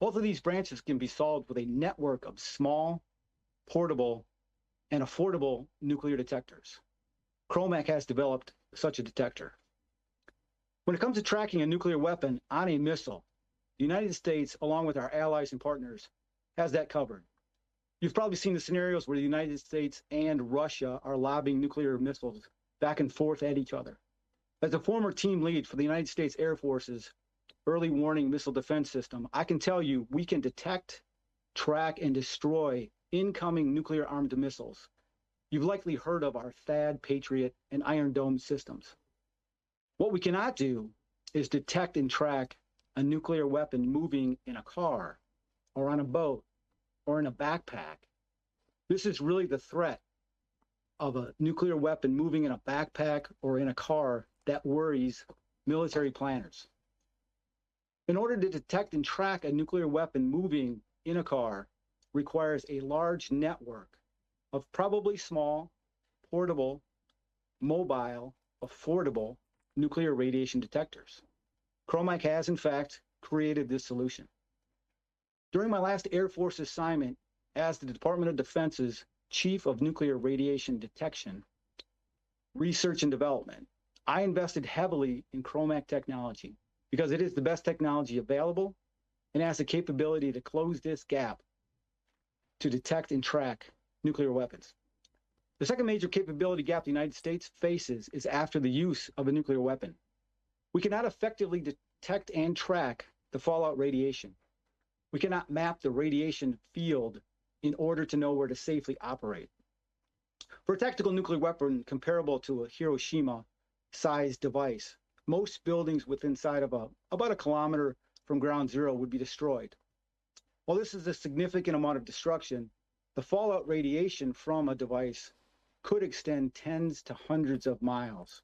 Both of these branches can be solved with a network of small, portable, and affordable nuclear detectors. Kromek has developed such a detector. When it comes to tracking a nuclear weapon on a missile, the United States, along with our allies and partners, has that covered. You've probably seen the scenarios where the United States and Russia are lobbing nuclear missiles back and forth at each other. As a former team lead for the U.S. Air Force's Early Warning Missile Defense System, I can tell you we can detect, track, and destroy incoming nuclear-armed missiles. You've likely heard of our THAAD, Patriot, and Iron Dome systems. What we cannot do is detect and track a nuclear weapon moving in a car or on a boat or in a backpack. This is really the threat of a nuclear weapon moving in a backpack or in a car that worries military planners. In order to detect and track a nuclear weapon moving in a car requires a large network of probably small, portable, mobile, affordable nuclear radiation detectors. Kromek has, in fact, created this solution. During my last Air Force assignment as the Department of Defense's Chief of Nuclear Radiation Detection Research and Development, I invested heavily in Kromek technology because it is the best technology available and has the capability to close this gap to detect and track nuclear weapons. The second major capability gap the United States faces is after the use of a nuclear weapon. We cannot effectively detect and track the fallout radiation. We cannot map the radiation field in order to know where to safely operate. For a tactical nuclear weapon comparable to a Hiroshima-sized device, most buildings within sight of about 1 kilometer from ground zero would be destroyed. While this is a significant amount of destruction, the fallout radiation from a device could extend tens to hundreds of miles.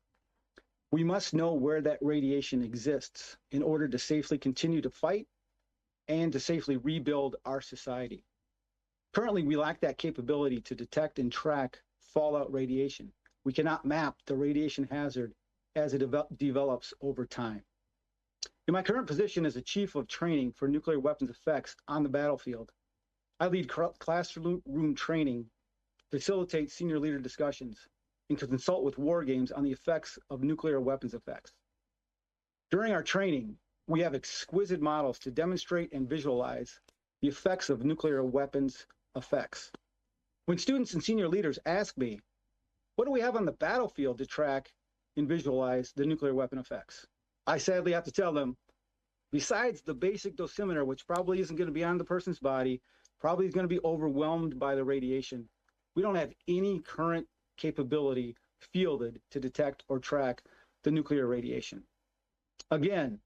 We must know where that radiation exists in order to safely continue to fight and to safely rebuild our society. Currently, we lack that capability to detect and track fallout radiation. We cannot map the radiation hazard as it develops over time. In my current position as Chief of Training for Nuclear Weapons Effects on the battlefield, I lead classroom training, facilitate senior leader discussions, and consult with war games on the effects of nuclear weapons effects. During our training, we have exquisite models to demonstrate and visualize the effects of nuclear weapons effects. When students and senior leaders ask me, "What do we have on the battlefield to track and visualize the nuclear weapon effects?" I sadly have to tell them, besides the basic dosimeter, which probably isn't going to be on the person's body, probably is going to be overwhelmed by the radiation, we don't have any current capability fielded to detect or track the nuclear radiation. Again,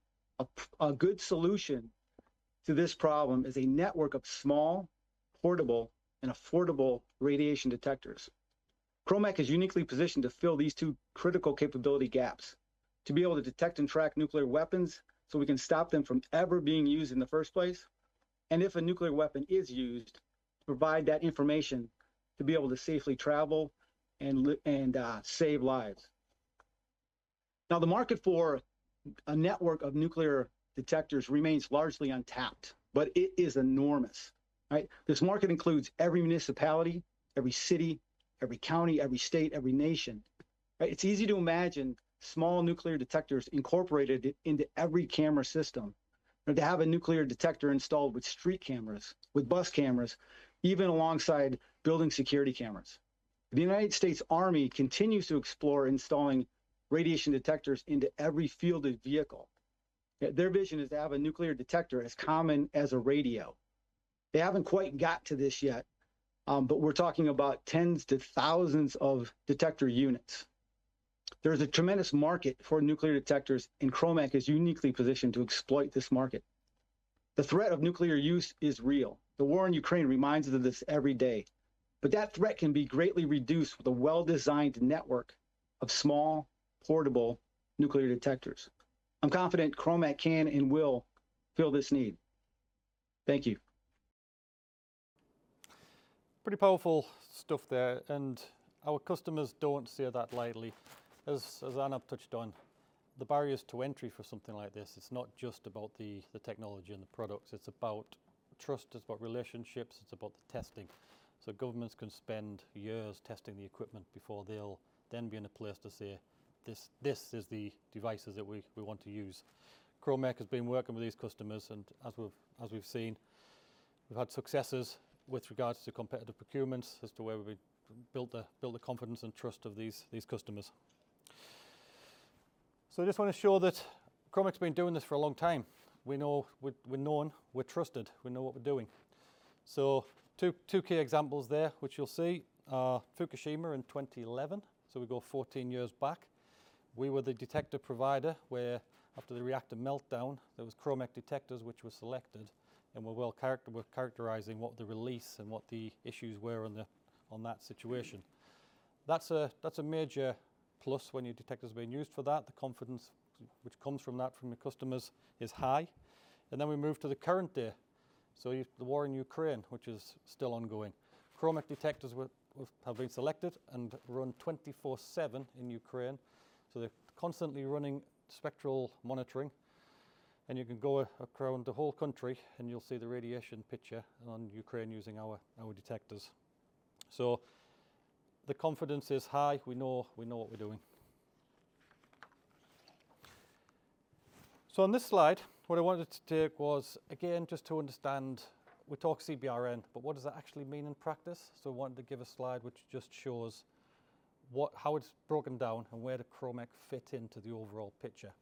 a good solution to this problem is a network of small, portable, and affordable radiation detectors. Kromek is uniquely positioned to fill these two critical capability gaps, to be able to detect and track nuclear weapons so we can stop them from ever being used in the first place. If a nuclear weapon is used, provide that information to be able to safely travel and save lives. Now, the market for a network of nuclear detectors remains largely untapped, but it is enormous. This market includes every municipality, every city, every county, every state, every nation. It's easy to imagine small nuclear detectors incorporated into every camera system, to have a nuclear detector installed with street cameras, with bus cameras, even alongside building security cameras. The U.S. Army continues to explore installing radiation detectors into every fielded vehicle. Their vision is to have a nuclear detector as common as a radio. They haven't quite got to this yet, but we're talking about tens to thousands of detector units. There is a tremendous market for nuclear detectors, and Kromek is uniquely positioned to exploit this market. The threat of nuclear use is real. The war in Ukraine reminds us of this every day. That threat can be greatly reduced with a well-designed network of small, portable nuclear detectors. I'm confident Kromek can and will fill this need. Thank you. Pretty powerful stuff there. Our customers do not see that lightly. As Arnab touched on, the barriers to entry for something like this, it's not just about the technology and the products. It's about trust. It's about relationships. It's about the testing. Governments can spend years testing the equipment before they'll then be in a place to say, "This is the devices that we want to use." Kromek has been working with these customers. As we've seen, we've had successes with regards to competitive procurements, as to where we built the confidence and trust of these customers. I just want to show that Kromek's been doing this for a long time. We're known. We're trusted. We know what we're doing. Two key examples there, which you'll see, are Fukushima in 2011. We go 14 years back. We were the detector provider where, after the reactor meltdown, there were Kromek detectors which were selected and were characterizing what the release and what the issues were on that situation. That's a major plus when your detector's being used for that. The confidence which comes from that from your customers is high. We move to the current day. The war in Ukraine, which is still ongoing, Kromek detectors have been selected and run 24/7 in Ukraine. They're constantly running spectral monitoring. You can go around the whole country, and you'll see the radiation picture on Ukraine using our detectors. The confidence is high. We know what we're doing. On this slide, what I wanted to take was, again, just to understand we talk CBRN, but what does that actually mean in practice? I wanted to give a slide which just shows how it's broken down and where does Kromek fit into the overall picture.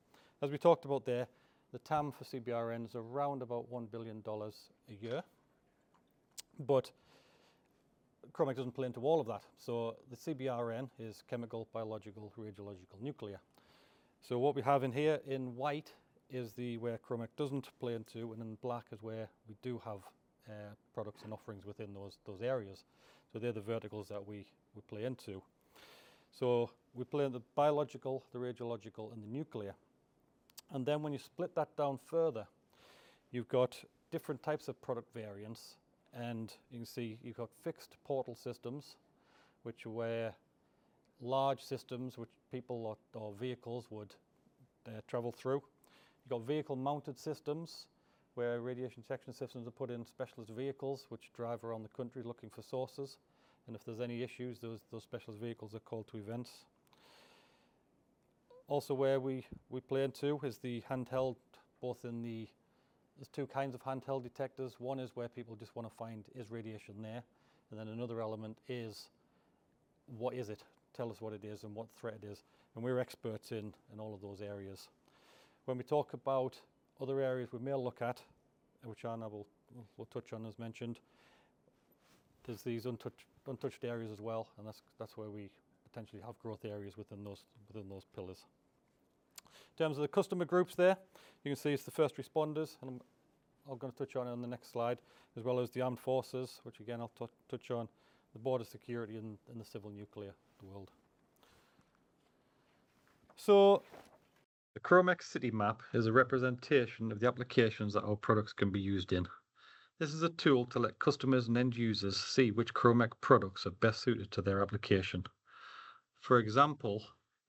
As we talked about there, the TAM for CBRN is around about $1 billion a year. Kromek doesn't play into all of that. The CBRN is chemical, biological, radiological, nuclear. What we have in here in white is where Kromek doesn't play into. In black is where we do have products and offerings within those areas. They're the verticals that we play into. We play into the biological, the radiological, and the nuclear. When you split that down further, you've got different types of product variants. You can see you've got fixed portal systems, which are large systems that people or vehicles would travel through. You've got vehicle-mounted systems where radiation detection systems are put in specialist vehicles which drive around the country looking for sources. If there's any issues, those specialist vehicles are called to events. Also, where we play into is the handheld, both in the there's two kinds of handheld detectors. One is where people just want to find, "Is radiation there?" And then another element is, "What is it? Tell us what it is and what threat it is." We're experts in all of those areas. When we talk about other areas we may look at, which Arnab will touch on, as mentioned, there's these untouched areas as well. That is where we potentially have growth areas within those pillars. In terms of the customer groups there, you can see it is the first responders. I am going to touch on it on the next slide, as well as the armed forces, which, again, I will touch on, the border security, and the civil nuclear world. The Kromek City Map is a representation of the applications that our products can be used in. This is a tool to let customers and end users see which Kromek products are best suited to their application. For example,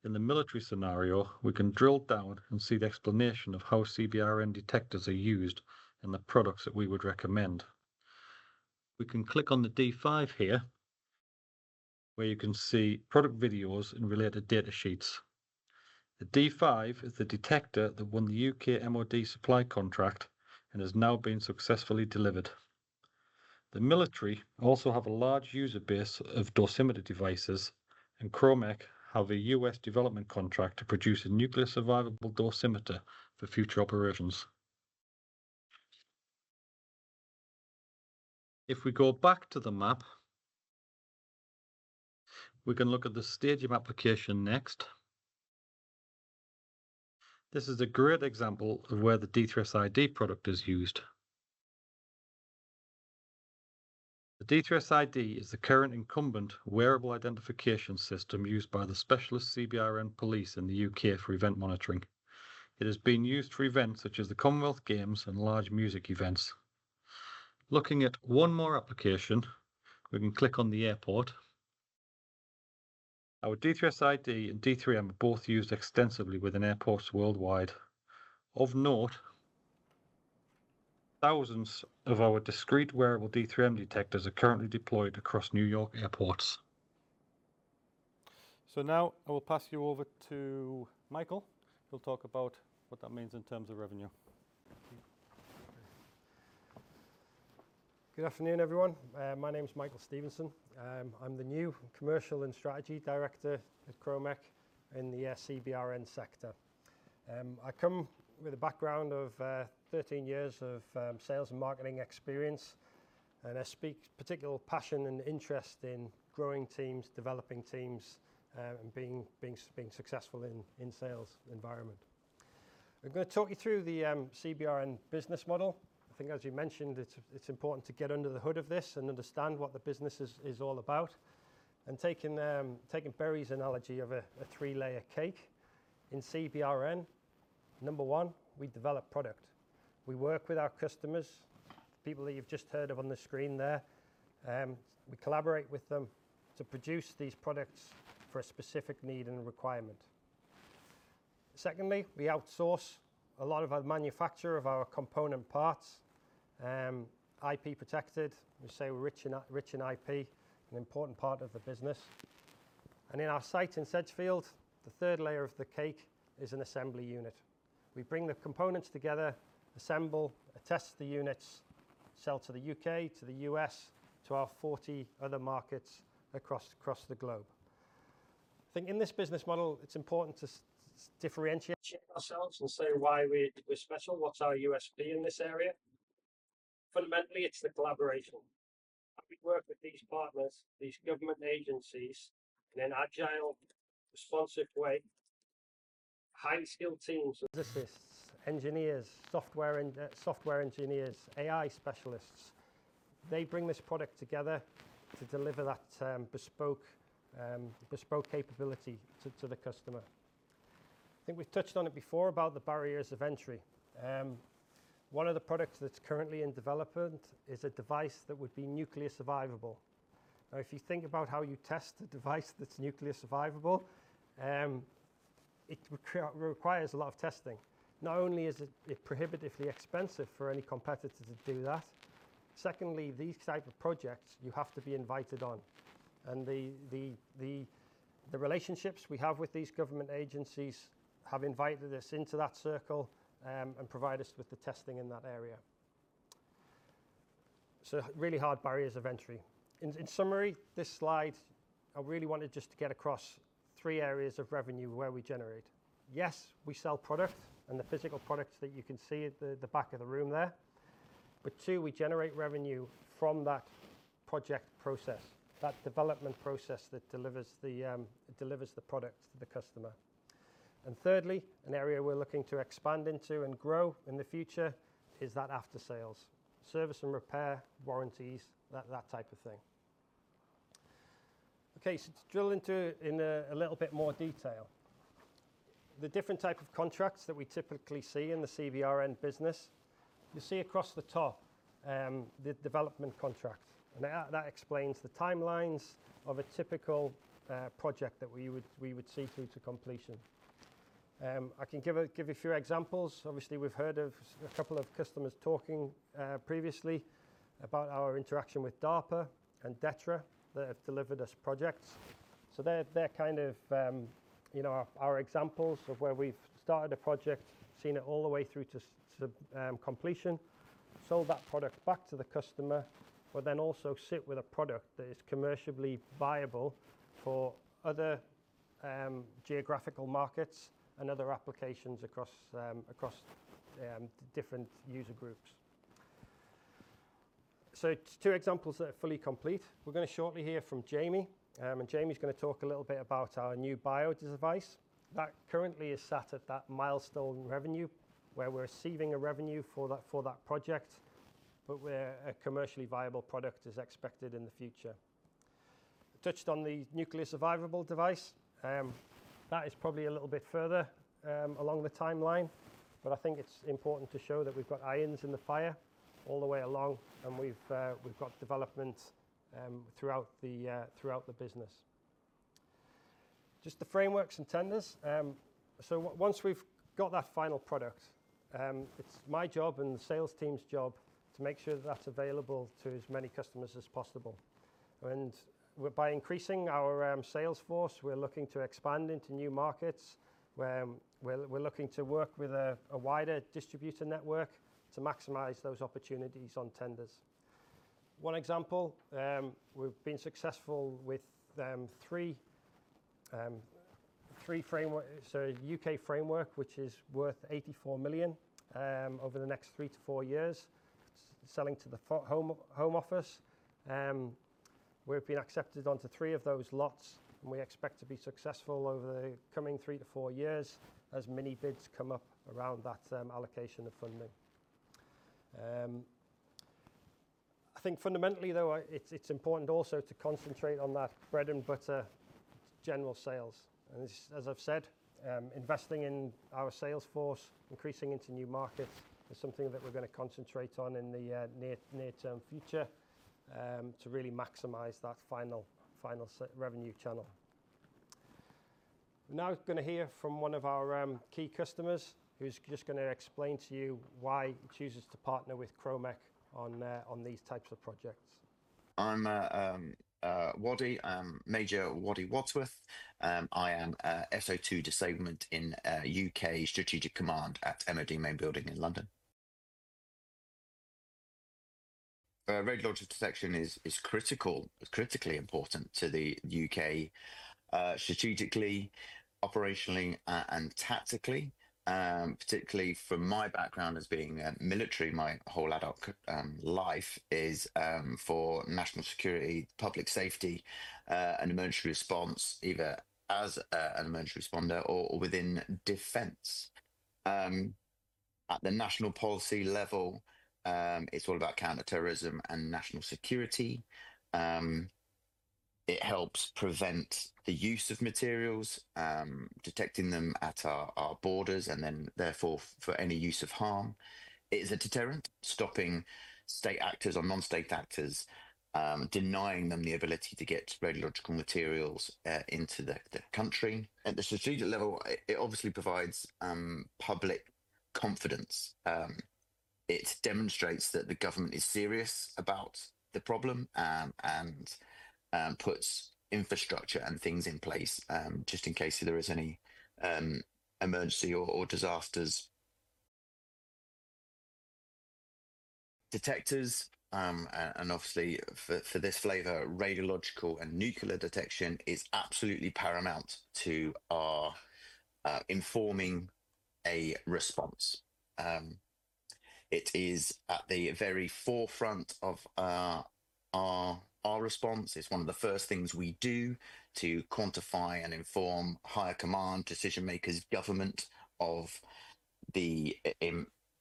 in the military scenario, we can drill down and see the explanation of how CBRN detectors are used and the products that we would recommend. We can click on the D5 here, where you can see product videos and related data sheets. The D5 is the detector that won the UK Ministry of Defence supply contract and has now been successfully delivered. The military also has a large user base of dosimeter devices, and Kromek has a US development contract to produce a nuclear survivable dosimeter for future operations. If we go back to the map, we can look at the stadium application next. This is a great example of where the D3S ID product is used. The D3S ID is the current incumbent wearable identification system used by the specialist CBRN police in the UK for event monitoring. It has been used for events such as the Commonwealth Games and large music events. Looking at one more application, we can click on the airport. Our D3S ID and D3M are both used extensively within airports worldwide. Of note, thousands of our discrete wearable D3M detectors are currently deployed across New York airports. Now I will pass you over to Michael. He'll talk about what that means in terms of revenue. Good afternoon, everyone. My name is Michael Stephenson. I'm the new Commercial and Strategy Director at Kromek in the CBRN sector. I come with a background of 13 years of sales and marketing experience, and I speak particular passion and interest in growing teams, developing teams, and being successful in the sales environment. I'm going to talk you through the CBRN business model. I think, as you mentioned, it's important to get under the hood of this and understand what the business is all about. Taking Barry's analogy of a three-layer cake, in CBRN, number one, we develop product. We work with our customers, the people that you've just heard of on the screen there. We collaborate with them to produce these products for a specific need and requirement. Secondly, we outsource a lot of our manufacture of our component parts. IP protected, we say we're rich in IP, an important part of the business. In our site in Sedgefield, the third layer of the cake is an assembly unit. We bring the components together, assemble, attest the units, sell to the U.K., to the U.S., to our 40 other markets across the globe. I think in this business model, it's important to differentiate ourselves and say why we're special, what's our USP in this area. Fundamentally, it's the collaboration. We work with these partners, these government agencies, in an agile, responsive way. Highly skilled teams, physicists, engineers, software engineers, AI specialists, they bring this product together to deliver that bespoke capability to the customer. I think we've touched on it before about the barriers of entry. One of the products that's currently in development is a device that would be nuclear survivable. Now, if you think about how you test a device that's nuclear survivable, it requires a lot of testing. Not only is it prohibitively expensive for any competitor to do that, secondly, these types of projects, you have to be invited on. The relationships we have with these government agencies have invited us into that circle and provided us with the testing in that area. Really hard barriers of entry. In summary, this slide, I really wanted just to get across three areas of revenue where we generate. Yes, we sell product and the physical products that you can see at the back of the room there. Two, we generate revenue from that project process, that development process that delivers the product to the customer. Thirdly, an area we're looking to expand into and grow in the future is that after-sales, service and repair, warranties, that type of thing. Okay, to drill into it in a little bit more detail, the different types of contracts that we typically see in the CBRN business, you see across the top the development contract. That explains the timelines of a typical project that we would see through to completion. I can give you a few examples. Obviously, we've heard of a couple of customers talking previously about our interaction with DARPA and DTRA that have delivered us projects. They're kind of our examples of where we've started a project, seen it all the way through to completion, sold that product back to the customer, but then also sit with a product that is commercially viable for other geographical markets and other applications across different user groups. Two examples that are fully complete. We're going to shortly hear from Jamie. Jamie's going to talk a little bit about our new bio device. That currently is sat at that milestone revenue where we're receiving a revenue for that project, but where a commercially viable product is expected in the future. I touched on the nuclear survivable device. That is probably a little bit further along the timeline. I think it's important to show that we've got irons in the fire all the way along, and we've got development throughout the business. Just the frameworks and tenders. Once we've got that final product, it's my job and the sales team's job to make sure that that's available to as many customers as possible. By increasing our sales force, we're looking to expand into new markets. We're looking to work with a wider distributor network to maximize those opportunities on tenders. One example, we've been successful with three frameworks, so a U.K. framework, which is worth 84 million over the next three to four years, selling to the Home Office. We've been accepted onto three of those lots, and we expect to be successful over the coming three to four years as many bids come up around that allocation of funding. I think fundamentally, though, it's important also to concentrate on that bread and butter general sales. As I have said, investing in our sales force, increasing into new markets is something that we are going to concentrate on in the near-term future to really maximize that final revenue channel. We are now going to hear from one of our key customers who is just going to explain to you why he chooses to partner with Kromek on these types of projects. I am Woody, Major Woody Wadsworth. I am SO2 Disablement in U.K. Strategic Command at MOD Main Building in London. Radioactive detection is critically important to the U.K. strategically, operationally, and tactically. Particularly from my background as being military, my whole adult life is for national security, public safety, and emergency response, either as an emergency responder or within defense. At the national policy level, it is all about counter-terrorism and national security. It helps prevent the use of materials, detecting them at our borders, and then therefore for any use of harm. It is a deterrent, stopping state actors or non-state actors, denying them the ability to get radiological materials into the country. At the strategic level, it obviously provides public confidence. It demonstrates that the government is serious about the problem and puts infrastructure and things in place just in case there is any emergency or disasters. Detectors, and obviously for this flavor, radiological and nuclear detection is absolutely paramount to our informing a response. It is at the very forefront of our response. It's one of the first things we do to quantify and inform higher command, decision-makers, government of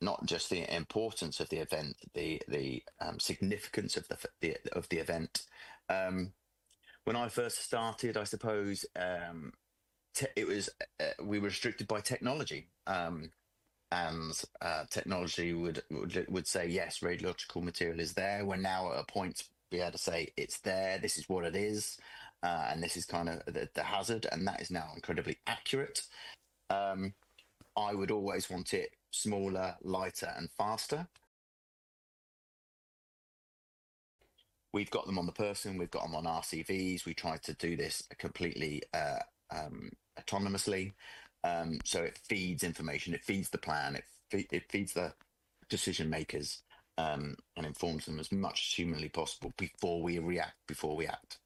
not just the importance of the event, the significance of the event. When I first started, I suppose we were restricted by technology. Technology would say, "Yes, radiological material is there." We're now at a point we had to say, "It's there. This is what it is. And this is kind of the hazard. And that is now incredibly accurate." I would always want it smaller, lighter, and faster. We've got them on the person. We've got them on RCVs. We try to do this completely autonomously. It feeds information. It feeds the plan. It feeds the decision-makers and informs them as much as humanly possible before we react, before we act.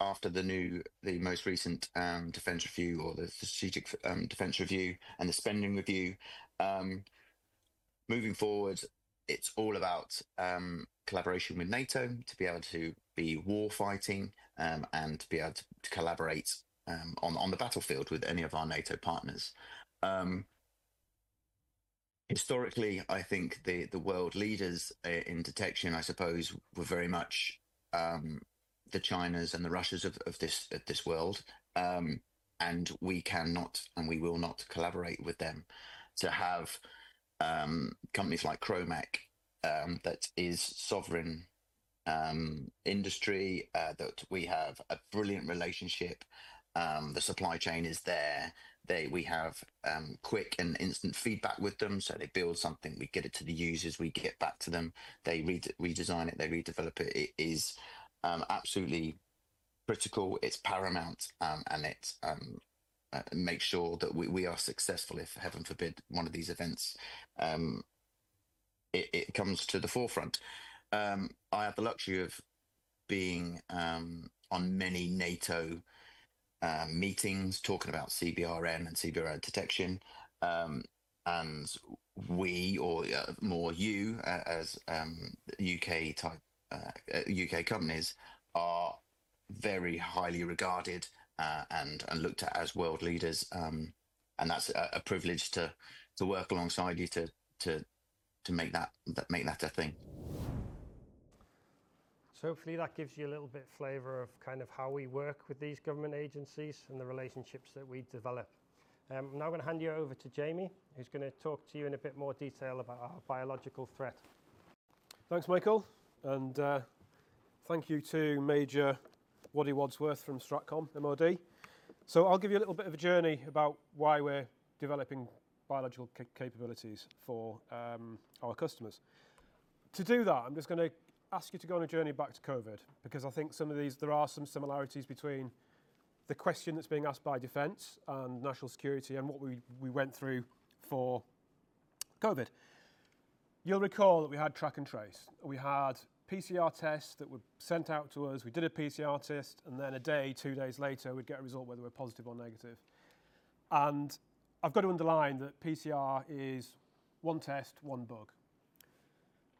After the most recent defense review or the strategic defense review and the spending review, moving forward, it's all about collaboration with NATO to be able to be warfighting and to be able to collaborate on the battlefield with any of our NATO partners. Historically, I think the world leaders in detection, I suppose, were very much the Chinas and the Russians of this world. We cannot and we will not collaborate with them to have companies like Kromek that is sovereign industry, that we have a brilliant relationship. The supply chain is there. We have quick and instant feedback with them. They build something. We get it to the users. We get back to them. They redesign it. They redevelop it. It is absolutely critical. It's paramount. It makes sure that we are successful if, heaven forbid, one of these events comes to the forefront. I have the luxury of being on many NATO meetings talking about CBRN and CBRN Detection. We, or more you, as UK companies, are very highly regarded and looked at as world leaders. That's a privilege to work alongside you to make that a thing. Hopefully that gives you a little bit of flavor of kind of how we work with these government agencies and the relationships that we develop. I'm now going to hand you over to Jamie, who's going to talk to you in a bit more detail about our biological threat. Thanks, Michael. Thank you to Major Woody Wadsworth from StratCom MOD. I'll give you a little bit of a journey about why we're developing biological capabilities for our customers. To do that, I'm just going to ask you to go on a journey back to COVID because I think there are some similarities between the question that's being asked by defense and national security and what we went through for COVID. You'll recall that we had track and trace. We had PCR tests that were sent out to us. We did a PCR test. A day, two days later, we'd get a result whether we're positive or negative. I've got to underline that PCR is one test, one bug.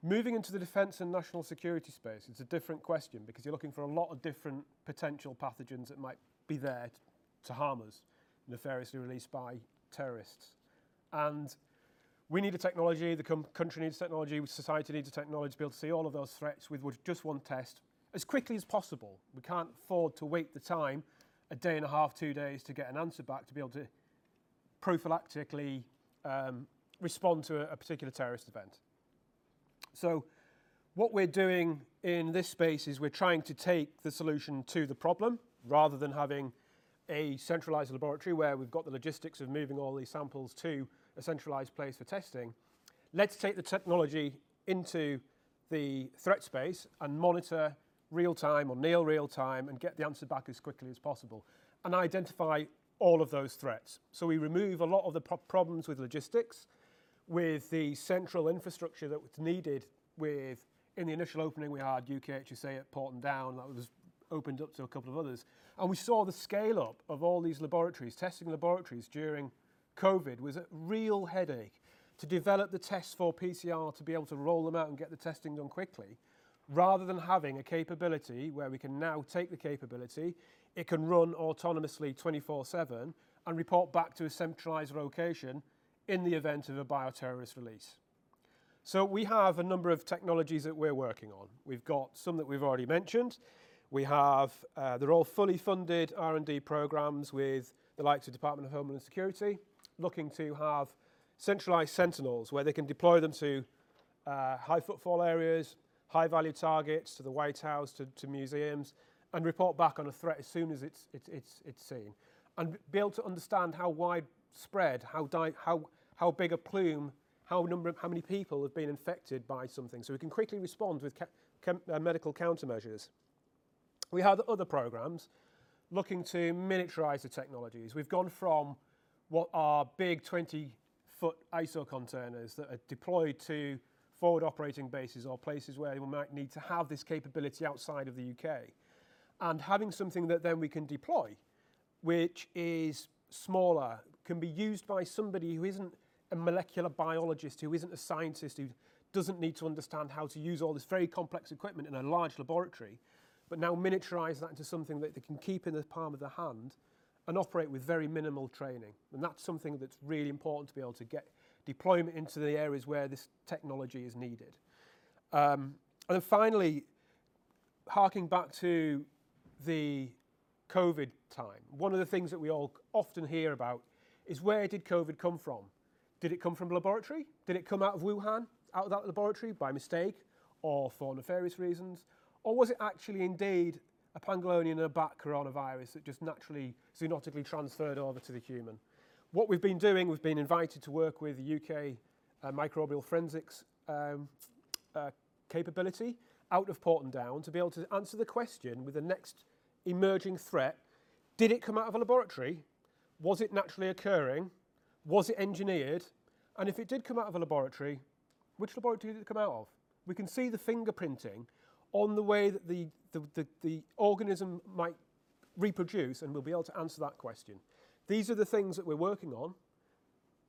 Moving into the defense and national security space, it's a different question because you're looking for a lot of different potential pathogens that might be there to harm us, nefariously released by terrorists. We need a technology. The country needs technology. The society needs technology to be able to see all of those threats with just one test as quickly as possible. We can't afford to wait the time, a day and a half, two days to get an answer back to be able to prophylactically respond to a particular terrorist event. What we're doing in this space is we're trying to take the solution to the problem rather than having a centralized laboratory where we've got the logistics of moving all these samples to a centralized place for testing. Let's take the technology into the threat space and monitor real-time or near real-time and get the answer back as quickly as possible and identify all of those threats. We remove a lot of the problems with logistics, with the central infrastructure that was needed. In the initial opening, we had UKHSA at Porton Down. That was opened up to a couple of others. We saw the scale-up of all these laboratories, testing laboratories during COVID was a real headache to develop the tests for PCR to be able to roll them out and get the testing done quickly rather than having a capability where we can now take the capability. It can run autonomously 24/7 and report back to a centralized location in the event of a bioterrorist release. We have a number of technologies that we're working on. We've got some that we've already mentioned. They're all fully funded R&D programs with the likes of the Department of Homeland Security looking to have centralized sentinels where they can deploy them to high-footfall areas, high-value targets, to the White House, to museums, and report back on a threat as soon as it's seen and be able to understand how widespread, how big a plume, how many people have been infected by something so we can quickly respond with medical countermeasures. We have other programs looking to miniaturize the technologies. have gone from what are big 20-foot ISO containers that are deployed to forward operating bases or places where we might need to have this capability outside of the U.K. and having something that then we can deploy, which is smaller, can be used by somebody who is not a molecular biologist, who is not a scientist, who does not need to understand how to use all this very complex equipment in a large laboratory, but now miniaturize that into something that they can keep in the palm of their hand and operate with very minimal training. That is something that is really important to be able to get deployment into the areas where this technology is needed. Finally, harking back to the COVID time, one of the things that we all often hear about is where did COVID come from? Did it come from a laboratory? Did it come out of Wuhan, out of that laboratory by mistake or for nefarious reasons? Or was it actually indeed a pangolinium and a bat coronavirus that just naturally, zoonotically transferred over to the human? What we've been doing, we've been invited to work with the U.K. microbial forensics capability out of Porton Down to be able to answer the question with the next emerging threat. Did it come out of a laboratory? Was it naturally occurring? Was it engineered? If it did come out of a laboratory, which laboratory did it come out of? We can see the fingerprinting on the way that the organism might reproduce, and we'll be able to answer that question. These are the things that we're working on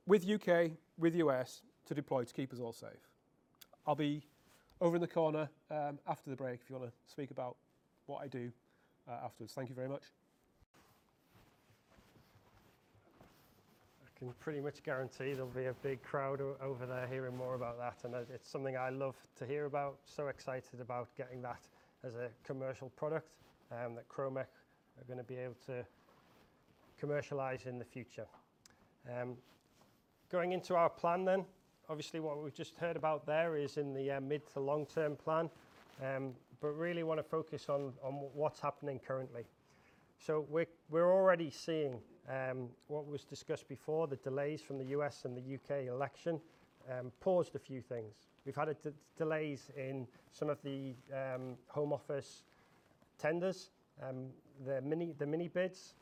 with U.K., with U.S. to deploy to keep us all safe. I'll be over in the corner after the break if you want to speak about what I do afterwards. Thank you very much. I can pretty much guarantee there'll be a big crowd over there hearing more about that. It's something I love to hear about. Excited about getting that as a commercial product that Kromek are going to be able to commercialize in the future. Going into our plan then, obviously what we've just heard about there is in the mid to long-term plan, but really want to focus on what's happening currently. We're already seeing what was discussed before, the delays from the U.S. and the U.K. election paused a few things. We've had delays in some of the Home Office tenders, the mini bids.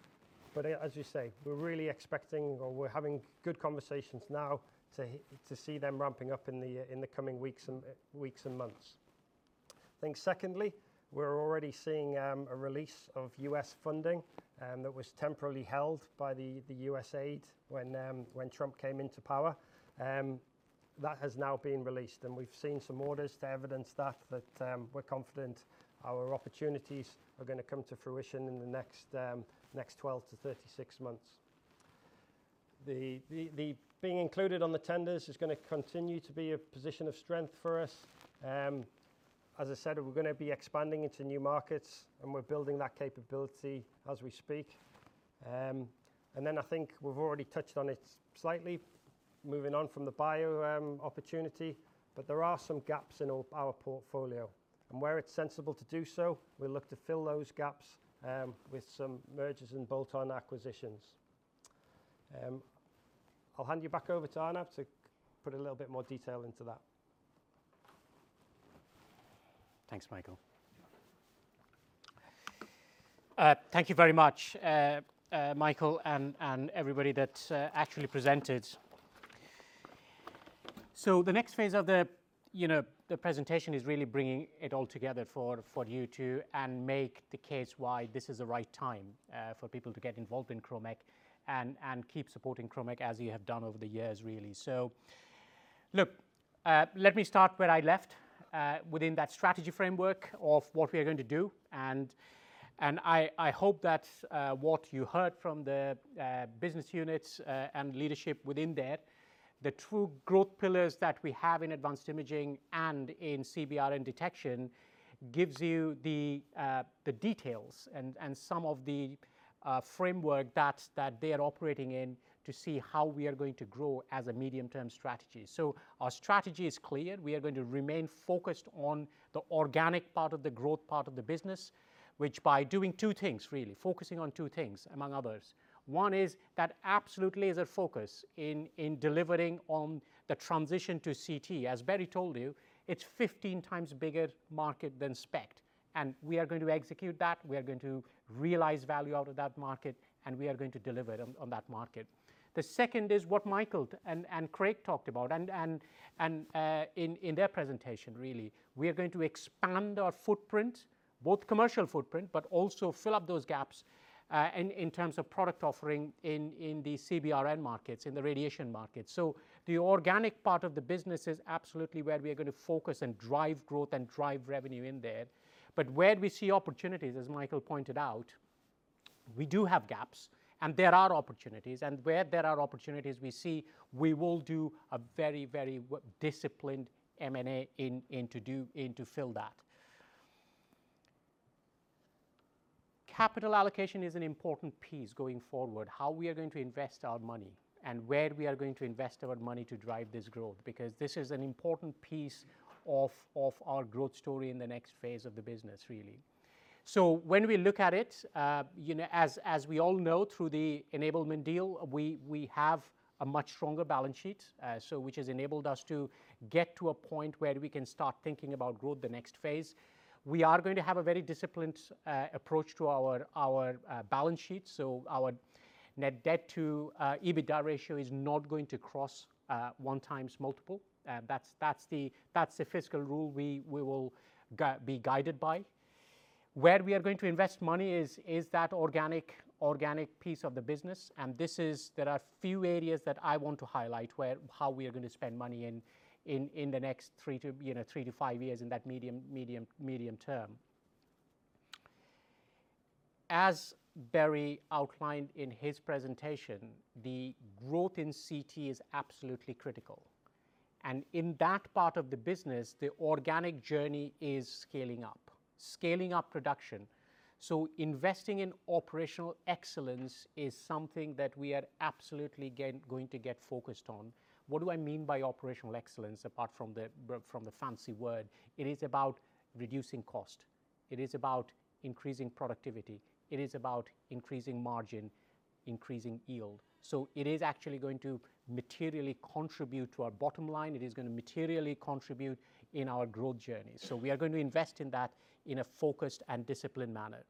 As you say, we're really expecting or we're having good conversations now to see them ramping up in the coming weeks and months. I think secondly, we're already seeing a release of U.S. funding that was temporarily held by the USAID when Trump came into power. That has now been released. We've seen some orders to evidence that we're confident our opportunities are going to come to fruition in the next 12-36 months. Being included on the tenders is going to continue to be a position of strength for us. As I said, we're going to be expanding into new markets, and we're building that capability as we speak. I think we've already touched on it slightly moving on from the bio opportunity, but there are some gaps in our portfolio. Where it's sensible to do so, we'll look to fill those gaps with some mergers and bolt-on acquisitions. I'll hand you back over to Arnab to put a little bit more detail into that. Thanks, Michael. Thank you very much, Michael, and everybody that actually presented. The next phase of the presentation is really bringing it all together for you to make the case why this is the right time for people to get involved in Kromek and keep supporting Kromek as you have done over the years, really. Let me start where I left within that strategy framework of what we are going to do. I hope that what you heard from the business units and leadership within there, the true growth pillars that we have in Advanced Imaging and in CBRN Detection gives you the details and some of the framework that they are operating in to see how we are going to grow as a medium-term strategy. Our strategy is clear. We are going to remain focused on the organic part of the growth part of the business, which by doing two things, really, focusing on two things, among others. One is that absolutely is a focus in delivering on the transition to CT. As Barry told you, it is 15 times bigger market than SPECT. We are going to execute that. We are going to realize value out of that market, and we are going to deliver on that market. The second is what Michael and Craig talked about and in their presentation, really. We are going to expand our footprint, both commercial footprint, but also fill up those gaps in terms of product offering in the CBRN markets, in the radiation markets. The organic part of the business is absolutely where we are going to focus and drive growth and drive revenue in there. Where we see opportunities, as Michael pointed out, we do have gaps, and there are opportunities. Where there are opportunities, we see we will do a very, very disciplined M&A to fill that. Capital allocation is an important piece going forward, how we are going to invest our money and where we are going to invest our money to drive this growth because this is an important piece of our growth story in the next phase of the business, really. When we look at it, as we all know through the enablement deal, we have a much stronger balance sheet, which has enabled us to get to a point where we can start thinking about growth, the next phase. We are going to have a very disciplined approach to our balance sheet. Our net debt-to-EBITDA ratio is not going to cross one-time multiple. That is the fiscal rule we will be guided by. Where we are going to invest money is that organic piece of the business. There are a few areas that I want to highlight, how we are going to spend money in the next three to five years in that medium term. As Barry outlined in his presentation, the growth in CT is absolutely critical. In that part of the business, the organic journey is scaling up, scaling up production. Investing in operational excellence is something that we are absolutely going to get focused on. What do I mean by operational excellence apart from the fancy word? It is about reducing cost. It is about increasing productivity. It is about increasing margin, increasing yield. It is actually going to materially contribute to our bottom line. It is going to materially contribute in our growth journey. We are going to invest in that in a focused and disciplined manner.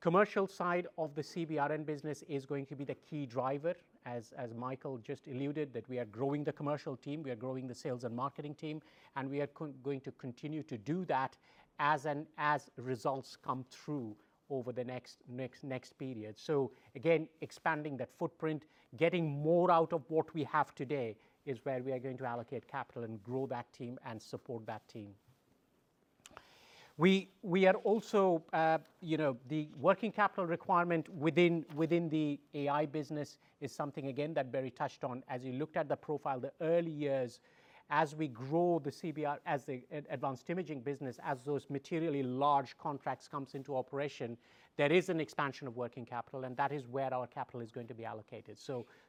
Commercial side of the CBRN business is going to be the key driver, as Michael just alluded, that we are growing the commercial team. We are growing the sales and marketing team. We are going to continue to do that as results come through over the next period. Again, expanding that footprint, getting more out of what we have today is where we are going to allocate capital and grow that team and support that team. We are also, the working capital requirement within the AI business is something, again, that Barry touched on. As you looked at the profile, the early years, as we grow the Advanced Imaging business, as those materially large contracts come into operation, there is an expansion of working capital, and that is where our capital is going to be allocated.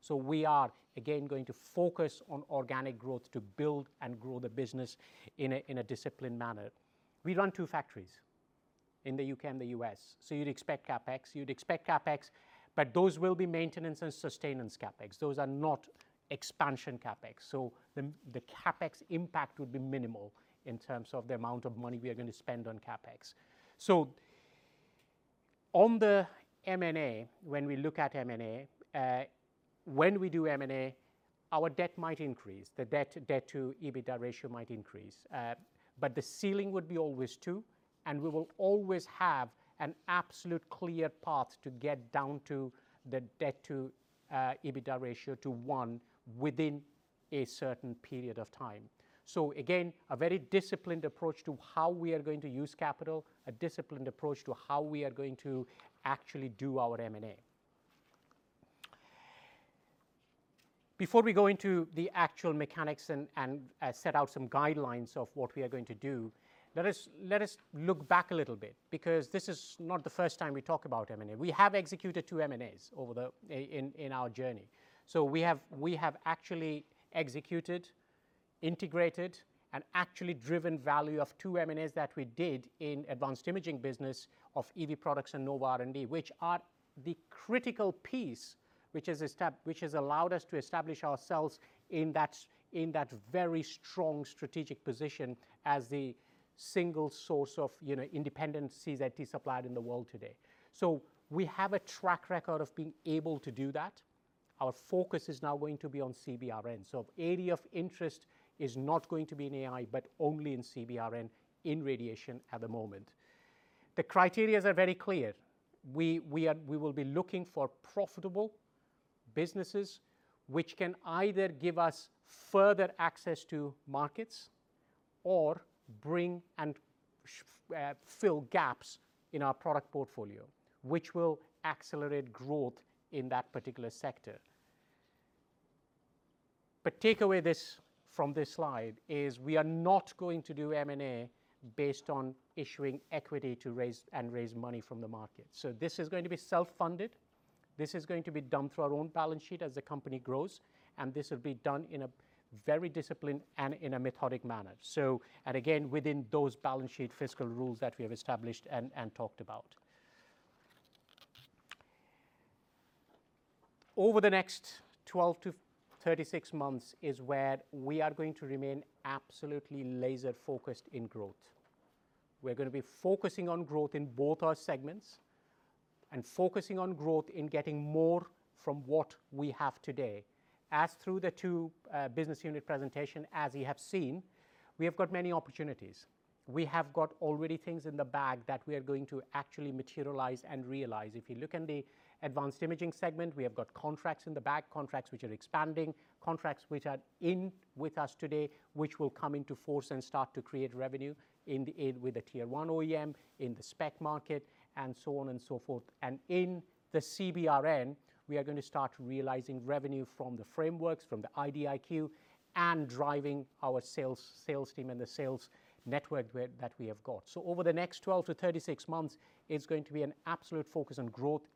We are, again, going to focus on organic growth to build and grow the business in a disciplined manner. We run two factories in the U.K. and the U.S. You would expect CapEx. You would expect CapEx, but those will be maintenance and sustainance CapEx. Those are not expansion CapEx. The CapEx impact would be minimal in terms of the amount of money we are going to spend on CapEx. On the M&A, when we look at M&A, when we do M&A, our debt might increase. The debt-to-EBITDA ratio might increase. The ceiling would be always two, and we will always have an absolute clear path to get down to the debt-to-EBITDA ratio to one within a certain period of time. Again, a very disciplined approach to how we are going to use capital, a disciplined approach to how we are going to actually do our M&A. Before we go into the actual mechanics and set out some guidelines of what we are going to do, let us look back a little bit because this is not the first time we talk about M&A. We have executed two M&As in our journey. We have actually executed, integrated, and actually driven value of two M&As that we did in Advanced Imaging business of EV Products and Nova R&D, which are the critical piece which has allowed us to establish ourselves in that very strong strategic position as the single source of independent CZT-supplied in the world today. We have a track record of being able to do that. Our focus is now going to be on CBRN. Area of interest is not going to be in AI, but only in CBRN in radiation at the moment. The criteria are very clear. We will be looking for profitable businesses which can either give us further access to markets or bring and fill gaps in our product portfolio, which will accelerate growth in that particular sector. The takeaway from this slide is we are not going to do M&A based on issuing equity and raising money from the market. This is going to be self-funded. This is going to be done through our own balance sheet as the company grows. This will be done in a very disciplined and methodic manner. Again, within those balance sheet fiscal rules that we have established and talked about. Over the next 12-36 months is where we are going to remain absolutely laser-focused in growth. We're going to be focusing on growth in both our segments and focusing on growth in getting more from what we have today. As through the two business unit presentations, as you have seen, we have got many opportunities. We have got already things in the bag that we are going to actually materialize and realize. If you look in the Advanced Imaging segment, we have got contracts in the bag, contracts which are expanding, contracts which are in with us today, which will come into force and start to create revenue with the tier one OEM in the SPECT market and so on and so forth. In the CBRN, we are going to start realizing revenue from the frameworks, from the IDIQ, and driving our sales team and the sales network that we have got. Over the next 12-36 months, it's going to be an absolute focus on growth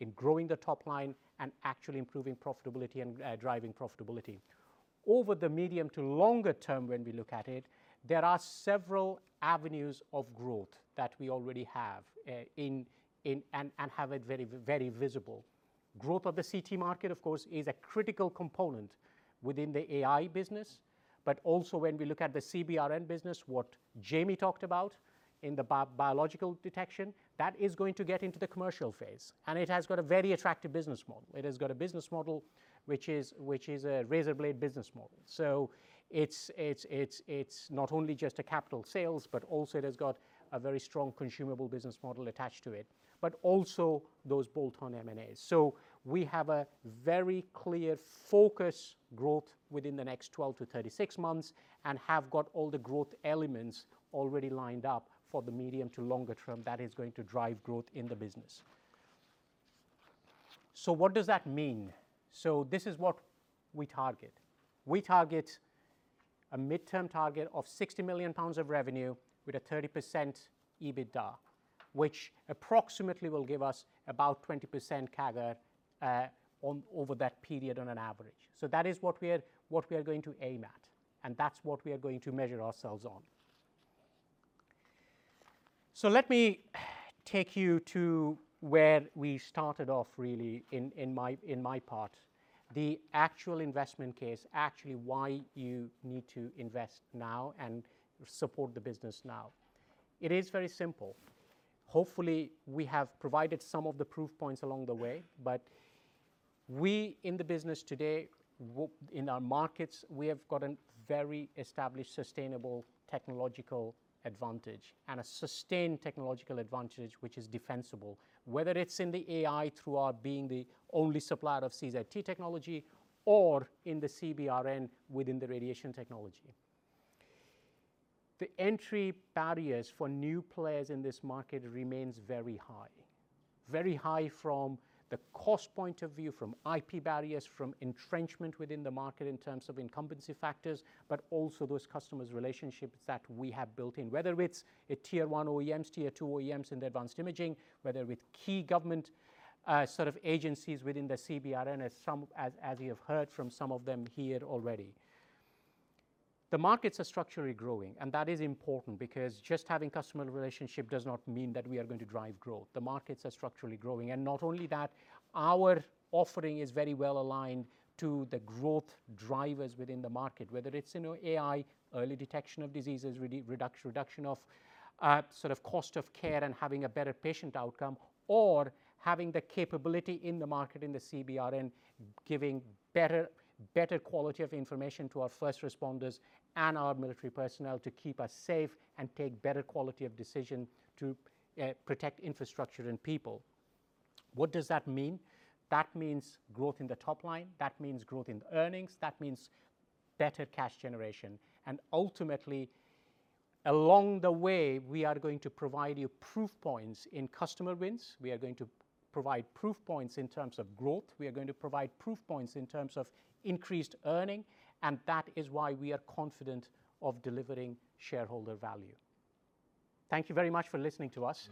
in growing the top line and actually improving profitability and driving profitability. Over the medium to longer term, when we look at it, there are several avenues of growth that we already have and have it very visible. Growth of the CT market, of course, is a critical component within the AI business. Also, when we look at the CBRN business, what Jamie talked about in the biological detection, that is going to get into the commercial phase. It has got a very attractive business model. It has got a business model which is a razor blade business model. So it's not only just capital sales, but also it has got a very strong consumable business model attached to it, but also those bolt-on M&As. We have a very clear focus growth within the next 12-36 months and have got all the growth elements already lined up for the medium to longer term that is going to drive growth in the business. What does that mean? This is what we target. We target a midterm target of 60 million pounds of revenue with a 30% EBITDA, which approximately will give us about 20% CAGR over that period on an average. That is what we are going to aim at. That is what we are going to measure ourselves on. Let me take you to where we started off, really, in my part, the actual investment case, actually why you need to invest now and support the business now. It is very simple. Hopefully, we have provided some of the proof points along the way. We in the business today, in our markets, have got a very established sustainable technological advantage and a sustained technological advantage which is defensible, whether it is in the AI through our being the only supplier of CZT technology or in the CBRN within the radiation technology. The entry barriers for new players in this market remain very high, very high from the cost point of view, from IP barriers, from entrenchment within the market in terms of incumbency factors, but also those customers' relationships that we have built in, whether it's tier one OEMs, tier two OEMs in the Advanced Imaging, whether with key government sort of agencies within the CBRN, as you have heard from some of them here already. The markets are structurally growing. That is important because just having customer relationship does not mean that we are going to drive growth. The markets are structurally growing. Our offering is very well aligned to the growth drivers within the market, whether it is AI, early detection of diseases, reduction of sort of cost of care and having a better patient outcome, or having the capability in the market in the CBRN, giving better quality of information to our first responders and our military personnel to keep us safe and take better quality of decision to protect infrastructure and people. What does that mean? That means growth in the top line. That means growth in the earnings. That means better cash generation. Ultimately, along the way, we are going to provide you proof points in customer wins. We are going to provide proof points in terms of growth. We are going to provide proof points in terms of increased earning. That is why we are confident of delivering shareholder value. Thank you very much for listening to us.